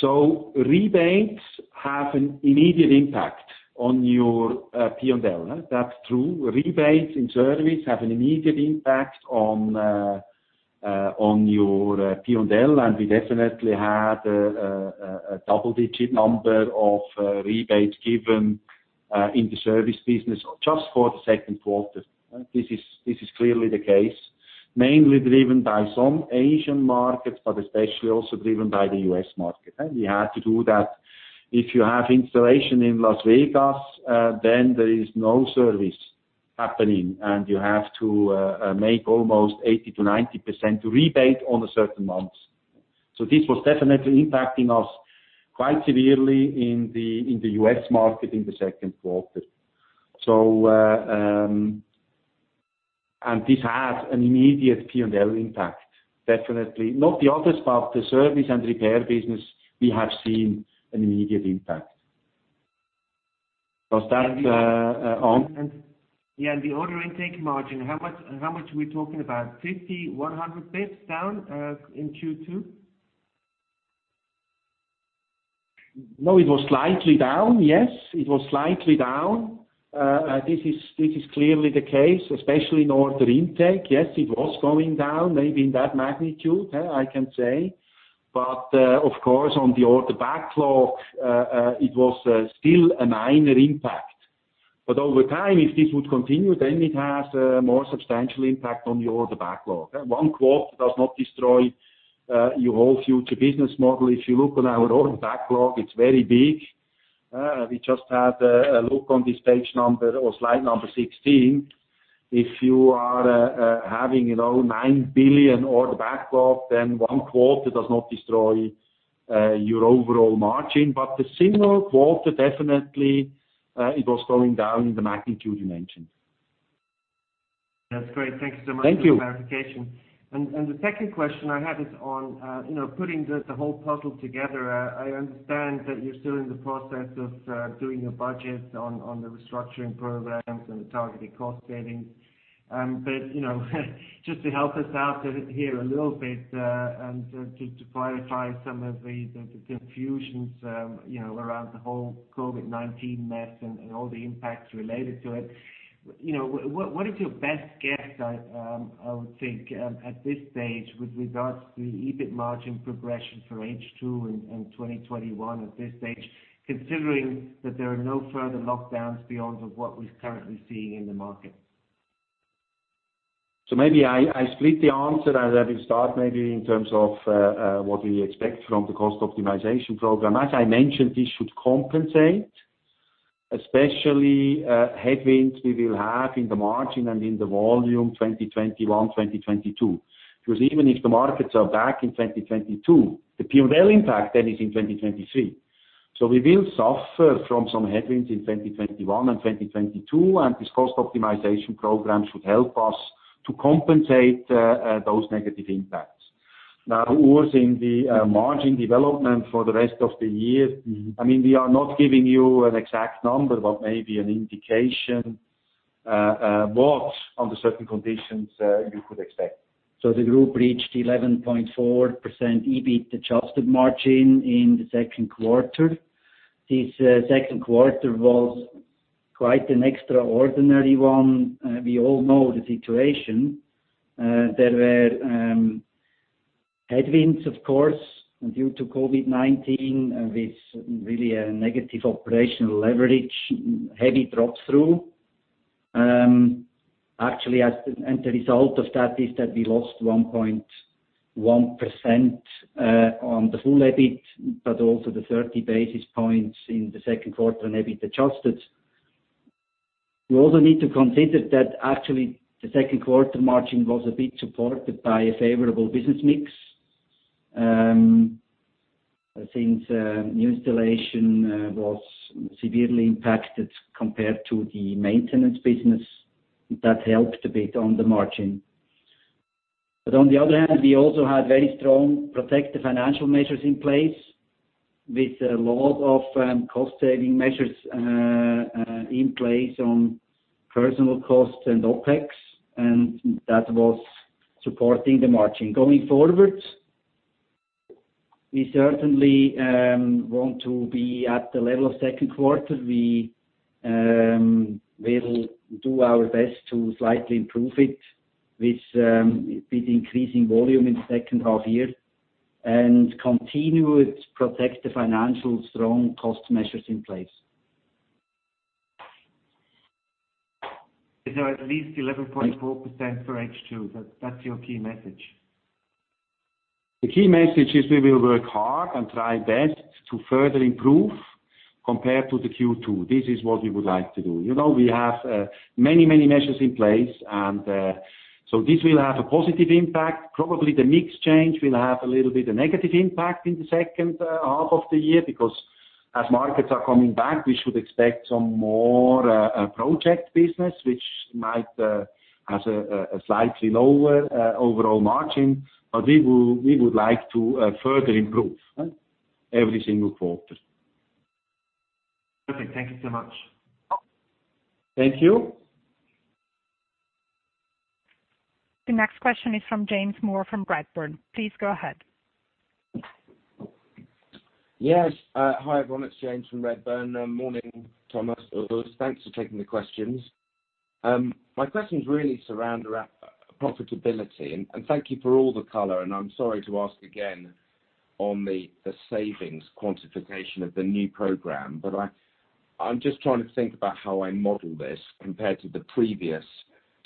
Rebates have an immediate impact on your P&L. That's true. Rebates in service have an immediate impact on your P&L, and we definitely had a double-digit number of rebates given in the service business just for the second quarter. This is clearly the case. Mainly driven by some Asian markets, but especially also driven by the U.S. market. We had to do that. If you have installation in Las Vegas, then there is no service happening, and you have to make almost 80%-90% rebate on certain months. This was definitely impacting us quite severely in the U.S. market in the second quarter. This has an immediate P&L impact, definitely. Not the other part, the service and repair business, we have seen an immediate impact. Was that on? Yeah, the order intake margin, how much we talking about? 50, 100 basis points down in Q2? No, it was slightly down, yes. It was slightly down. This is clearly the case, especially in order intake. Yes, it was going down maybe in that magnitude, I can say. Of course, on the order backlog, it was still a minor impact. Over time, if this would continue, then it has a more substantial impact on the order backlog. One quarter does not destroy your whole future business model. If you look on our order backlog, it's very big. We just had a look on the page number or slide number 16. If you are having 9 billion order backlog, then one quarter does not destroy your overall margin, but the single quarter definitely, it was going down in the magnitude you mentioned. That's great. Thank you so much. Thank you. For the clarification. The second question I had is on putting the whole puzzle together. I understand that you're still in the process of doing your budget on the restructuring programs and the targeted cost savings. Just to help us out here a little bit, and to clarify some of the confusions around the whole COVID-19 mess and all the impacts related to it, what is your best guess, I would think, at this stage with regards to the EBIT margin progression for H2 in 2021 at this stage, considering that there are no further lockdowns beyond of what we're currently seeing in the market? Maybe I split the answer, and I will start maybe in terms of what we expect from the cost optimization program. As I mentioned, this should compensate, especially headwinds we will have in the margin and in the volume 2021, 2022. Because even if the markets are back in 2022, the P&L impact then is in 2023. We will suffer from some headwinds in 2021 and 2022, and this cost optimization program should help us to compensate those negative impacts. Urs, in the margin development for the rest of the year, we are not giving you an exact number, but maybe an indication, what, under certain conditions, you could expect. The group reached 11.4% EBIT adjusted margin in the second quarter. This second quarter was quite an extraordinary one. We all know the situation. There were headwinds, of course, due to COVID-19, with really a negative operational leverage, heavy drop through. Actually, the result of that is that we lost 1.1% on the full EBIT, but also the 30 basis points in the second quarter on EBIT adjusted. We also need to consider that actually the second quarter margin was a bit supported by a favorable business mix. Since new installation was severely impacted compared to the maintenance business, that helped a bit on the margin. On the other hand, we also had very strong protective financial measures in place, with a lot of cost-saving measures in place on personal costs and OpEx, and that was supporting the margin. Going forward, we certainly want to be at the level of second quarter. We will do our best to slightly improve it with increasing volume in the second half year, and continue with protective financial strong cost measures in place. At least 11.4% for H2. That's your key message? The key message is we will work hard and try best to further improve compared to the Q2. This is what we would like to do. This will have a positive impact. Probably the mix change will have a little bit of negative impact in the second half of the year, because as markets are coming back, we should expect some more project business, which might has a slightly lower overall margin. We would like to further improve every single quarter. Okay. Thank you so much. Thank you. The next question is from James Moore from Redburn. Please go ahead. Yes. Hi, everyone. It's James from Redburn. Morning, Thomas, Urs. Thanks for taking the questions. My questions really surround around profitability. Thank you for all the color. I'm sorry to ask again on the savings quantification of the new program. I'm just trying to think about how I model this compared to the previous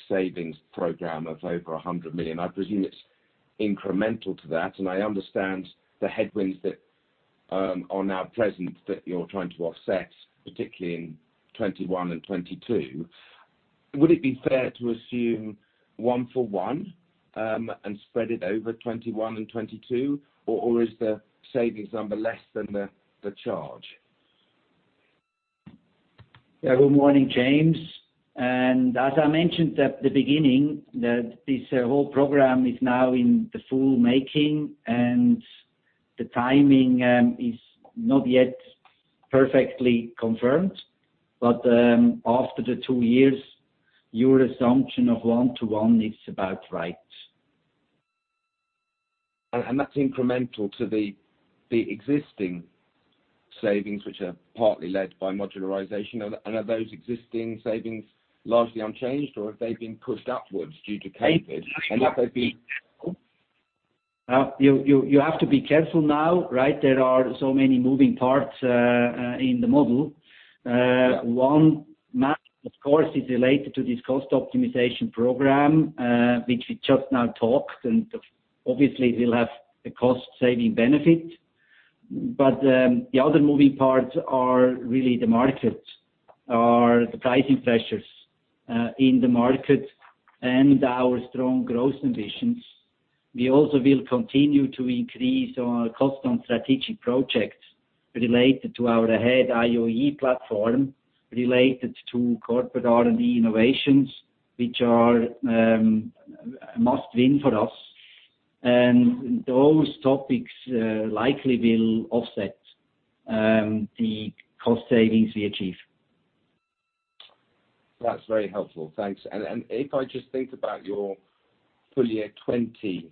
savings program of over 100 million. I presume it's incremental to that. I understand the headwinds that are now present that you're trying to offset, particularly in 2021 and 2022. Would it be fair to assume one for one, spread it over 2021 and 2022, or is the savings number less than the charge? Good morning, James. As I mentioned at the beginning, that this whole program is now in the full making, and the timing is not yet perfectly confirmed. After the two years, your assumption of one-to-one is about right. That's incremental to the existing savings, which are partly led by modularization. Are those existing savings largely unchanged, or have they been pushed upwards due to COVID? You have to be careful now. There are so many moving parts in the model. One, much, of course, is related to this cost optimization program, which we just now talked. Obviously, we'll have the cost-saving benefit. The other moving parts are really the market, are the pricing pressures in the market and our strong growth ambitions. We also will continue to increase our cost on strategic projects related to our Ahead IoT platform, related to corporate R&D innovations, which are a must win for us. Those topics likely will offset the cost savings we achieve. That's very helpful, thanks. If I just think about your full year 2020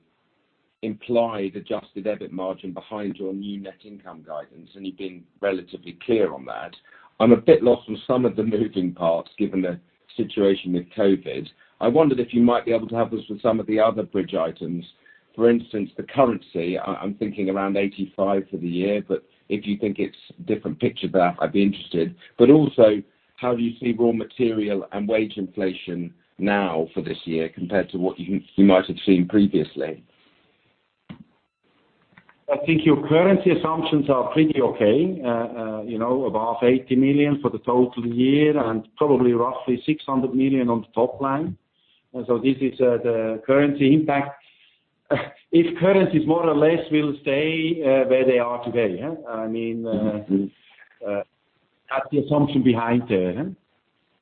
implied adjusted EBIT margin behind your new net income guidance, and you've been relatively clear on that, I'm a bit lost on some of the moving parts given the situation with COVID. I wondered if you might be able to help us with some of the other bridge items. For instance, the currency, I'm thinking around 85 for the year, but if you think it's different picture there, I'd be interested. Also, how do you see raw material and wage inflation now for this year compared to what you might have seen previously? I think your currency assumptions are pretty okay. Above 80 million for the total year and probably roughly 600 million on the top line. This is the currency impact. If currencies more or less will stay where they are today. That's the assumption behind there.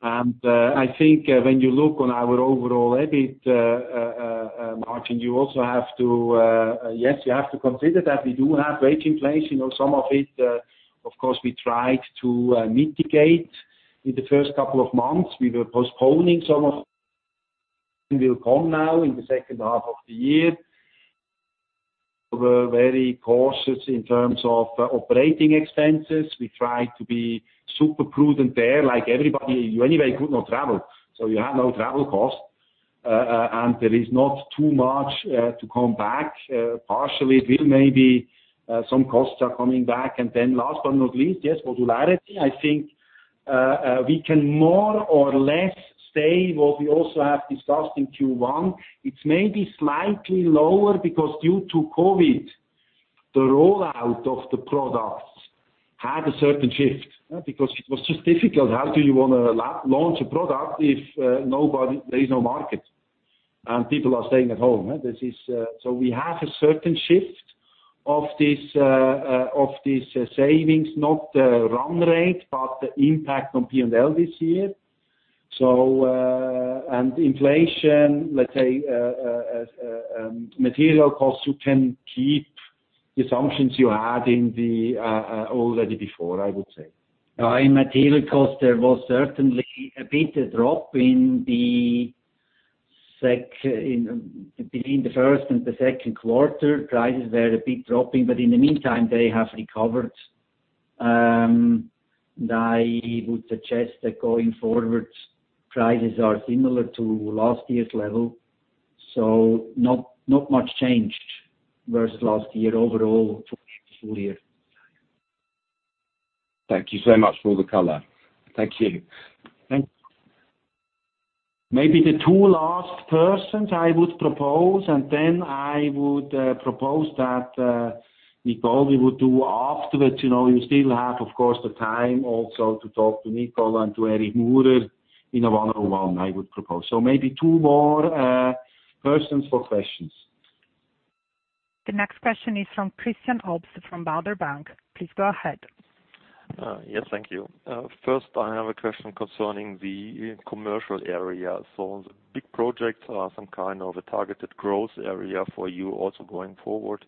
I think when you look on our overall EBIT margin. Yes, you have to consider that we do have wage inflation, some of it, of course, we tried to mitigate. In the first couple of months, we were postponing. Will come now in the second half of the year. We're very cautious in terms of operating expenses. We try to be super prudent there. Like everybody, you anyway could not travel, you have no travel cost. There is not too much to come back. Partially, well, maybe some costs are coming back. Last but not least, yes, modularity. I think we can more or less say what we also have discussed in Q1. It's maybe slightly lower because due to COVID, the rollout of the products had a certain shift. It was just difficult. How do you want to launch a product if there is no market, and people are staying at home? We have a certain shift of these savings, not the run rate, but the impact on P&L this year. Inflation, let's say, material costs, you can keep the assumptions you had already before, I would say. In material cost, there was certainly a bit drop between the first and the second quarter. Prices were a bit dropping, but in the meantime, they have recovered. I would suggest that going forward, prices are similar to last year's level. Not much changed versus last year overall for full year. Thank you so much for all the color. Thank you. Thank you. Maybe the two last persons I would propose, then I would propose that, Nicole, we would do afterwards. You still have, of course, the time also to talk to Nicole and to Erich Murer in a one-on-one, I would propose. Maybe two more persons for questions. The next question is from Christian Obst from Baader Bank. Please go ahead. Yes, thank you. First, I have a question concerning the commercial area. The big projects are some kind of a targeted growth area for you also going forward.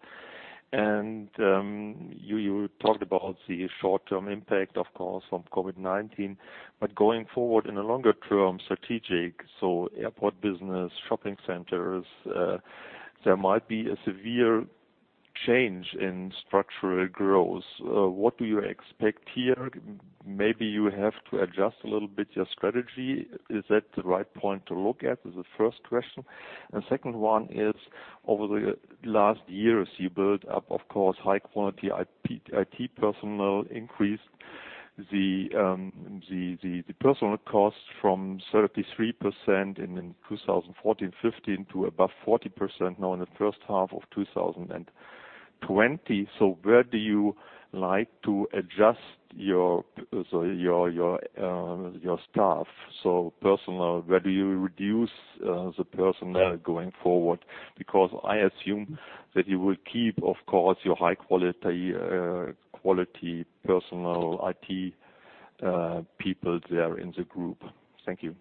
You talked about the short-term impact, of course, from COVID-19. Going forward in a longer-term strategic, so airport business, shopping centers, there might be a severe change in structural growth. What do you expect here? Maybe you have to adjust a little bit your strategy. Is that the right point to look at? Is the first question. Second one is, over the last years, you built up, of course, high quality IT personnel, increased the personal cost from 33% in 2014-2015 to above 40% now in the first half of 2020. Where do you like to adjust your staff? Personal, where do you reduce the personal going forward? I assume that you will keep, of course, your high-quality personal IT people there in the group. Thank you.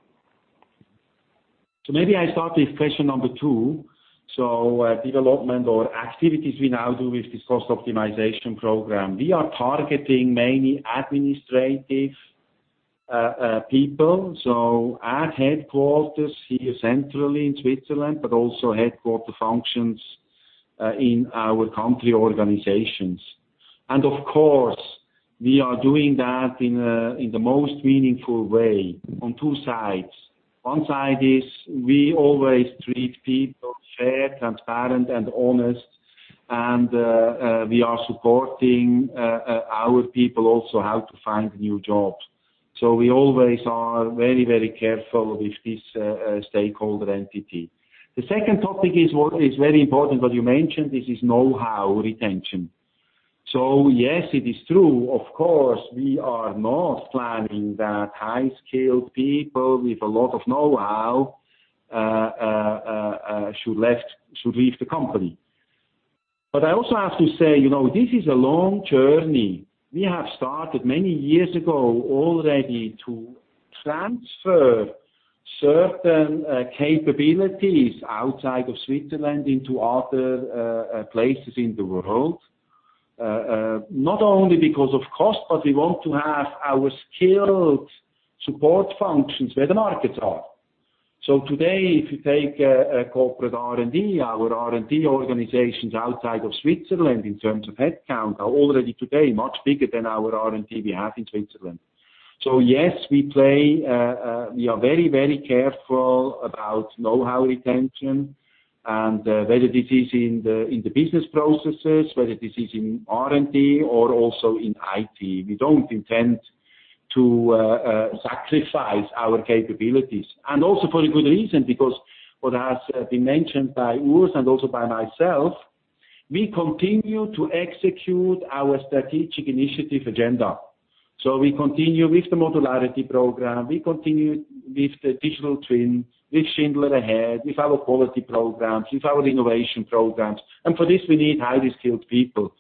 Maybe I start with question number two. Development or activities we now do with this cost optimization program. We are targeting mainly administrative people, so at headquarters here centrally in Switzerland, but also headquarter functions in our country organizations. Of course, we are doing that in the most meaningful way on two sides. One side is we always treat people fair, transparent, and honest. And we are supporting our people also how to find new jobs. We always are very careful with this stakeholder entity. The second topic is what is very important, what you mentioned, this is know-how retention. Yes, it is true, of course, we are not planning that high-skilled people with a lot of know-how should leave the company. I also have to say, this is a long journey. We have started many years ago already to transfer certain capabilities outside of Switzerland into other places in the world. Not only because of cost, but we want to have our skilled support functions where the markets are. Today, if you take a corporate R&D, our R&D organizations outside of Switzerland in terms of headcount, are already today much bigger than our R&D we have in Switzerland. Yes, we are very careful about know-how retention and whether this is in the business processes, whether this is in R&D or also in IT. We don't intend to sacrifice our capabilities. Also for a good reason, because what has been mentioned by Urs and also by myself, we continue to execute our strategic initiative agenda. We continue with the modularity program, we continue with the digital twin, with Schindler Ahead, with our quality programs, with our innovation programs. For this, we need highly skilled people.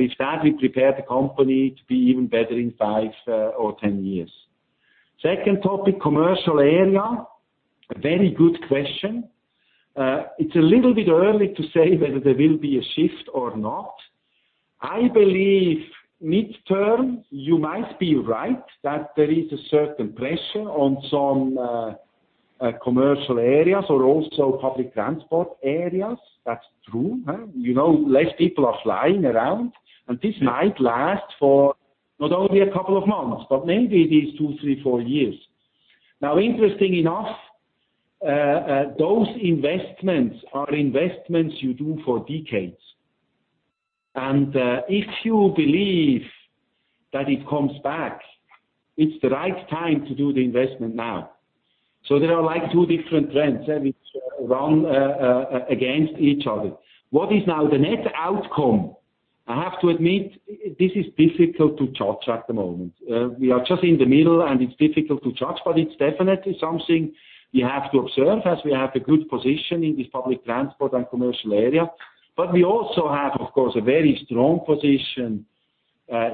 With that, we prepare the company to be even better in five or 10 years. Second topic, commercial area. A very good question. It's a little bit early to say whether there will be a shift or not. I believe midterm, you might be right that there is a certain pressure on some commercial areas or also public transport areas. That's true. Less people are flying around, and this might last for not only a couple of months, but maybe these two, three, four years. Interestingly enough, those investments are investments you do for decades. If you believe that it comes back, it's the right time to do the investment now. There are two different trends, which run against each other. What is now the net outcome? I have to admit, this is difficult to judge at the moment. We are just in the middle, and it's difficult to judge, it's definitely something we have to observe as we have a good position in this public transport and commercial area. We also have, of course, a very strong position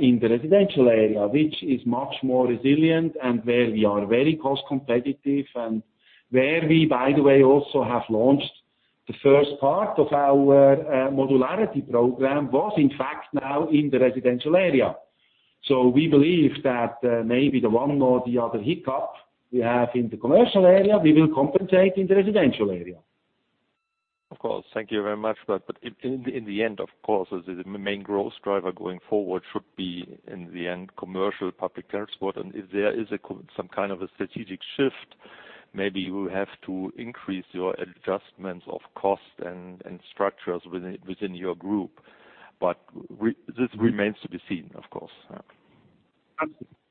in the residential area, which is much more resilient and where we are very cost competitive, and where we, by the way, also have launched the first part of our modularity program was, in fact, now in the residential area. We believe that maybe the one or the other hiccup we have in the commercial area, we will compensate in the residential area. Of course. Thank you very much. In the end, of course, the main growth driver going forward should be, in the end, commercial public transport. If there is some kind of a strategic shift, maybe you have to increase your adjustments of cost and structures within your group. This remains to be seen, of course.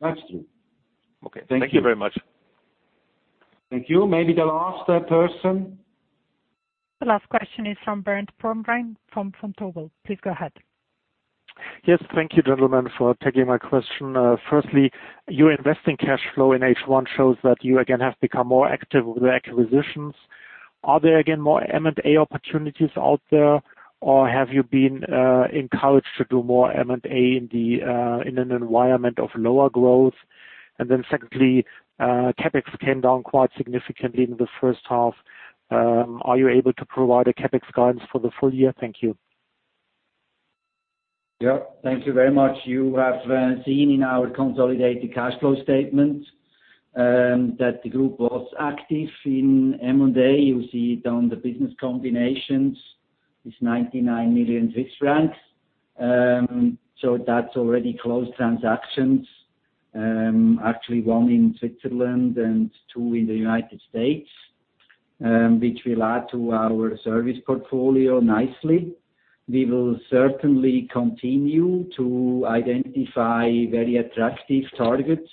Absolutely. Okay. Thank you very much. Thank you. Maybe the last person. The last question is from Bernd Pomrehn from Vontobel. Please go ahead. Yes, thank you, gentlemen, for taking my question. Firstly, your investing cash flow in H1 shows that you again have become more active with the acquisitions. Are there again more M&A opportunities out there, or have you been encouraged to do more M&A in an environment of lower growth? Secondly, CapEx came down quite significantly in the first half. Are you able to provide a CapEx guidance for the full year? Thank you. Yeah. Thank you very much. You have seen in our consolidated cash flow statement that the group was active in M&A. You see it on the business combinations, it's 99 million Swiss francs. That's already closed transactions, actually one in Switzerland and two in the U.S., which will add to our service portfolio nicely. We will certainly continue to identify very attractive targets,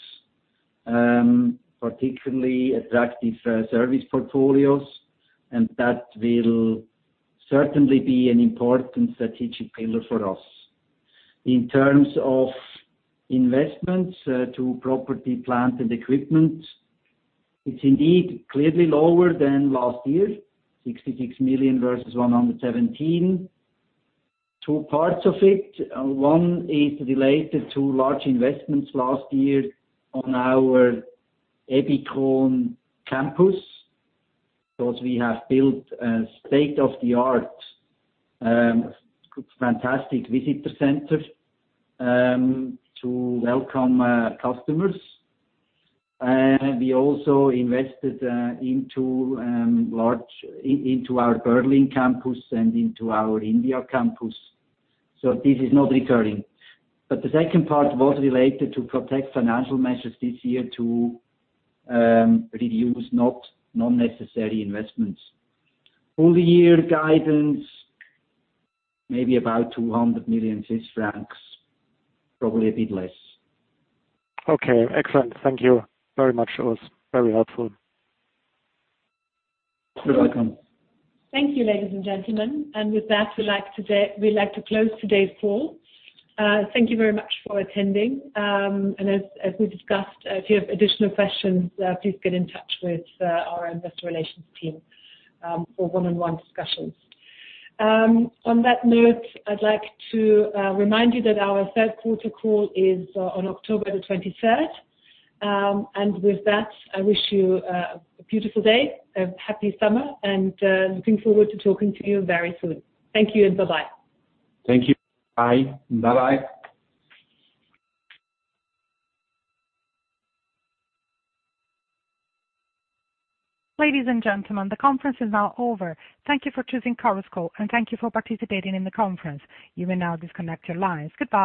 particularly attractive service portfolios, and that will certainly be an important strategic pillar for us. In terms of investments to property, plant, and equipment, it's indeed clearly lower than last year, 66 million versus 117 million. Two parts of it. One is related to large investments last year on our Ebikon Campus, because we have built a state-of-the-art, fantastic visitor center to welcome customers. We also invested into our Berlin campus and into our India campus. This is not recurring. The second part was related to protect financial measures this year to reduce non-necessary investments. Full year guidance, maybe about 200 million Swiss francs, probably a bit less. Okay. Excellent. Thank you very much. It was very helpful. You're welcome. Thank you, ladies and gentlemen. With that, we'd like to close today's call. Thank you very much for attending. As we discussed, if you have additional questions, please get in touch with our investor relations team for one-on-one discussions. On that note, I'd like to remind you that our third quarter call is on October the 23rd. With that, I wish you a beautiful day, a happy summer, and looking forward to talking to you very soon. Thank you and bye-bye. Thank you. Bye. Bye-bye. Ladies and gentlemen, the conference is now over. Thank you for choosing Chorus Call, and thank you for participating in the conference. You may now disconnect your lines. Goodbye.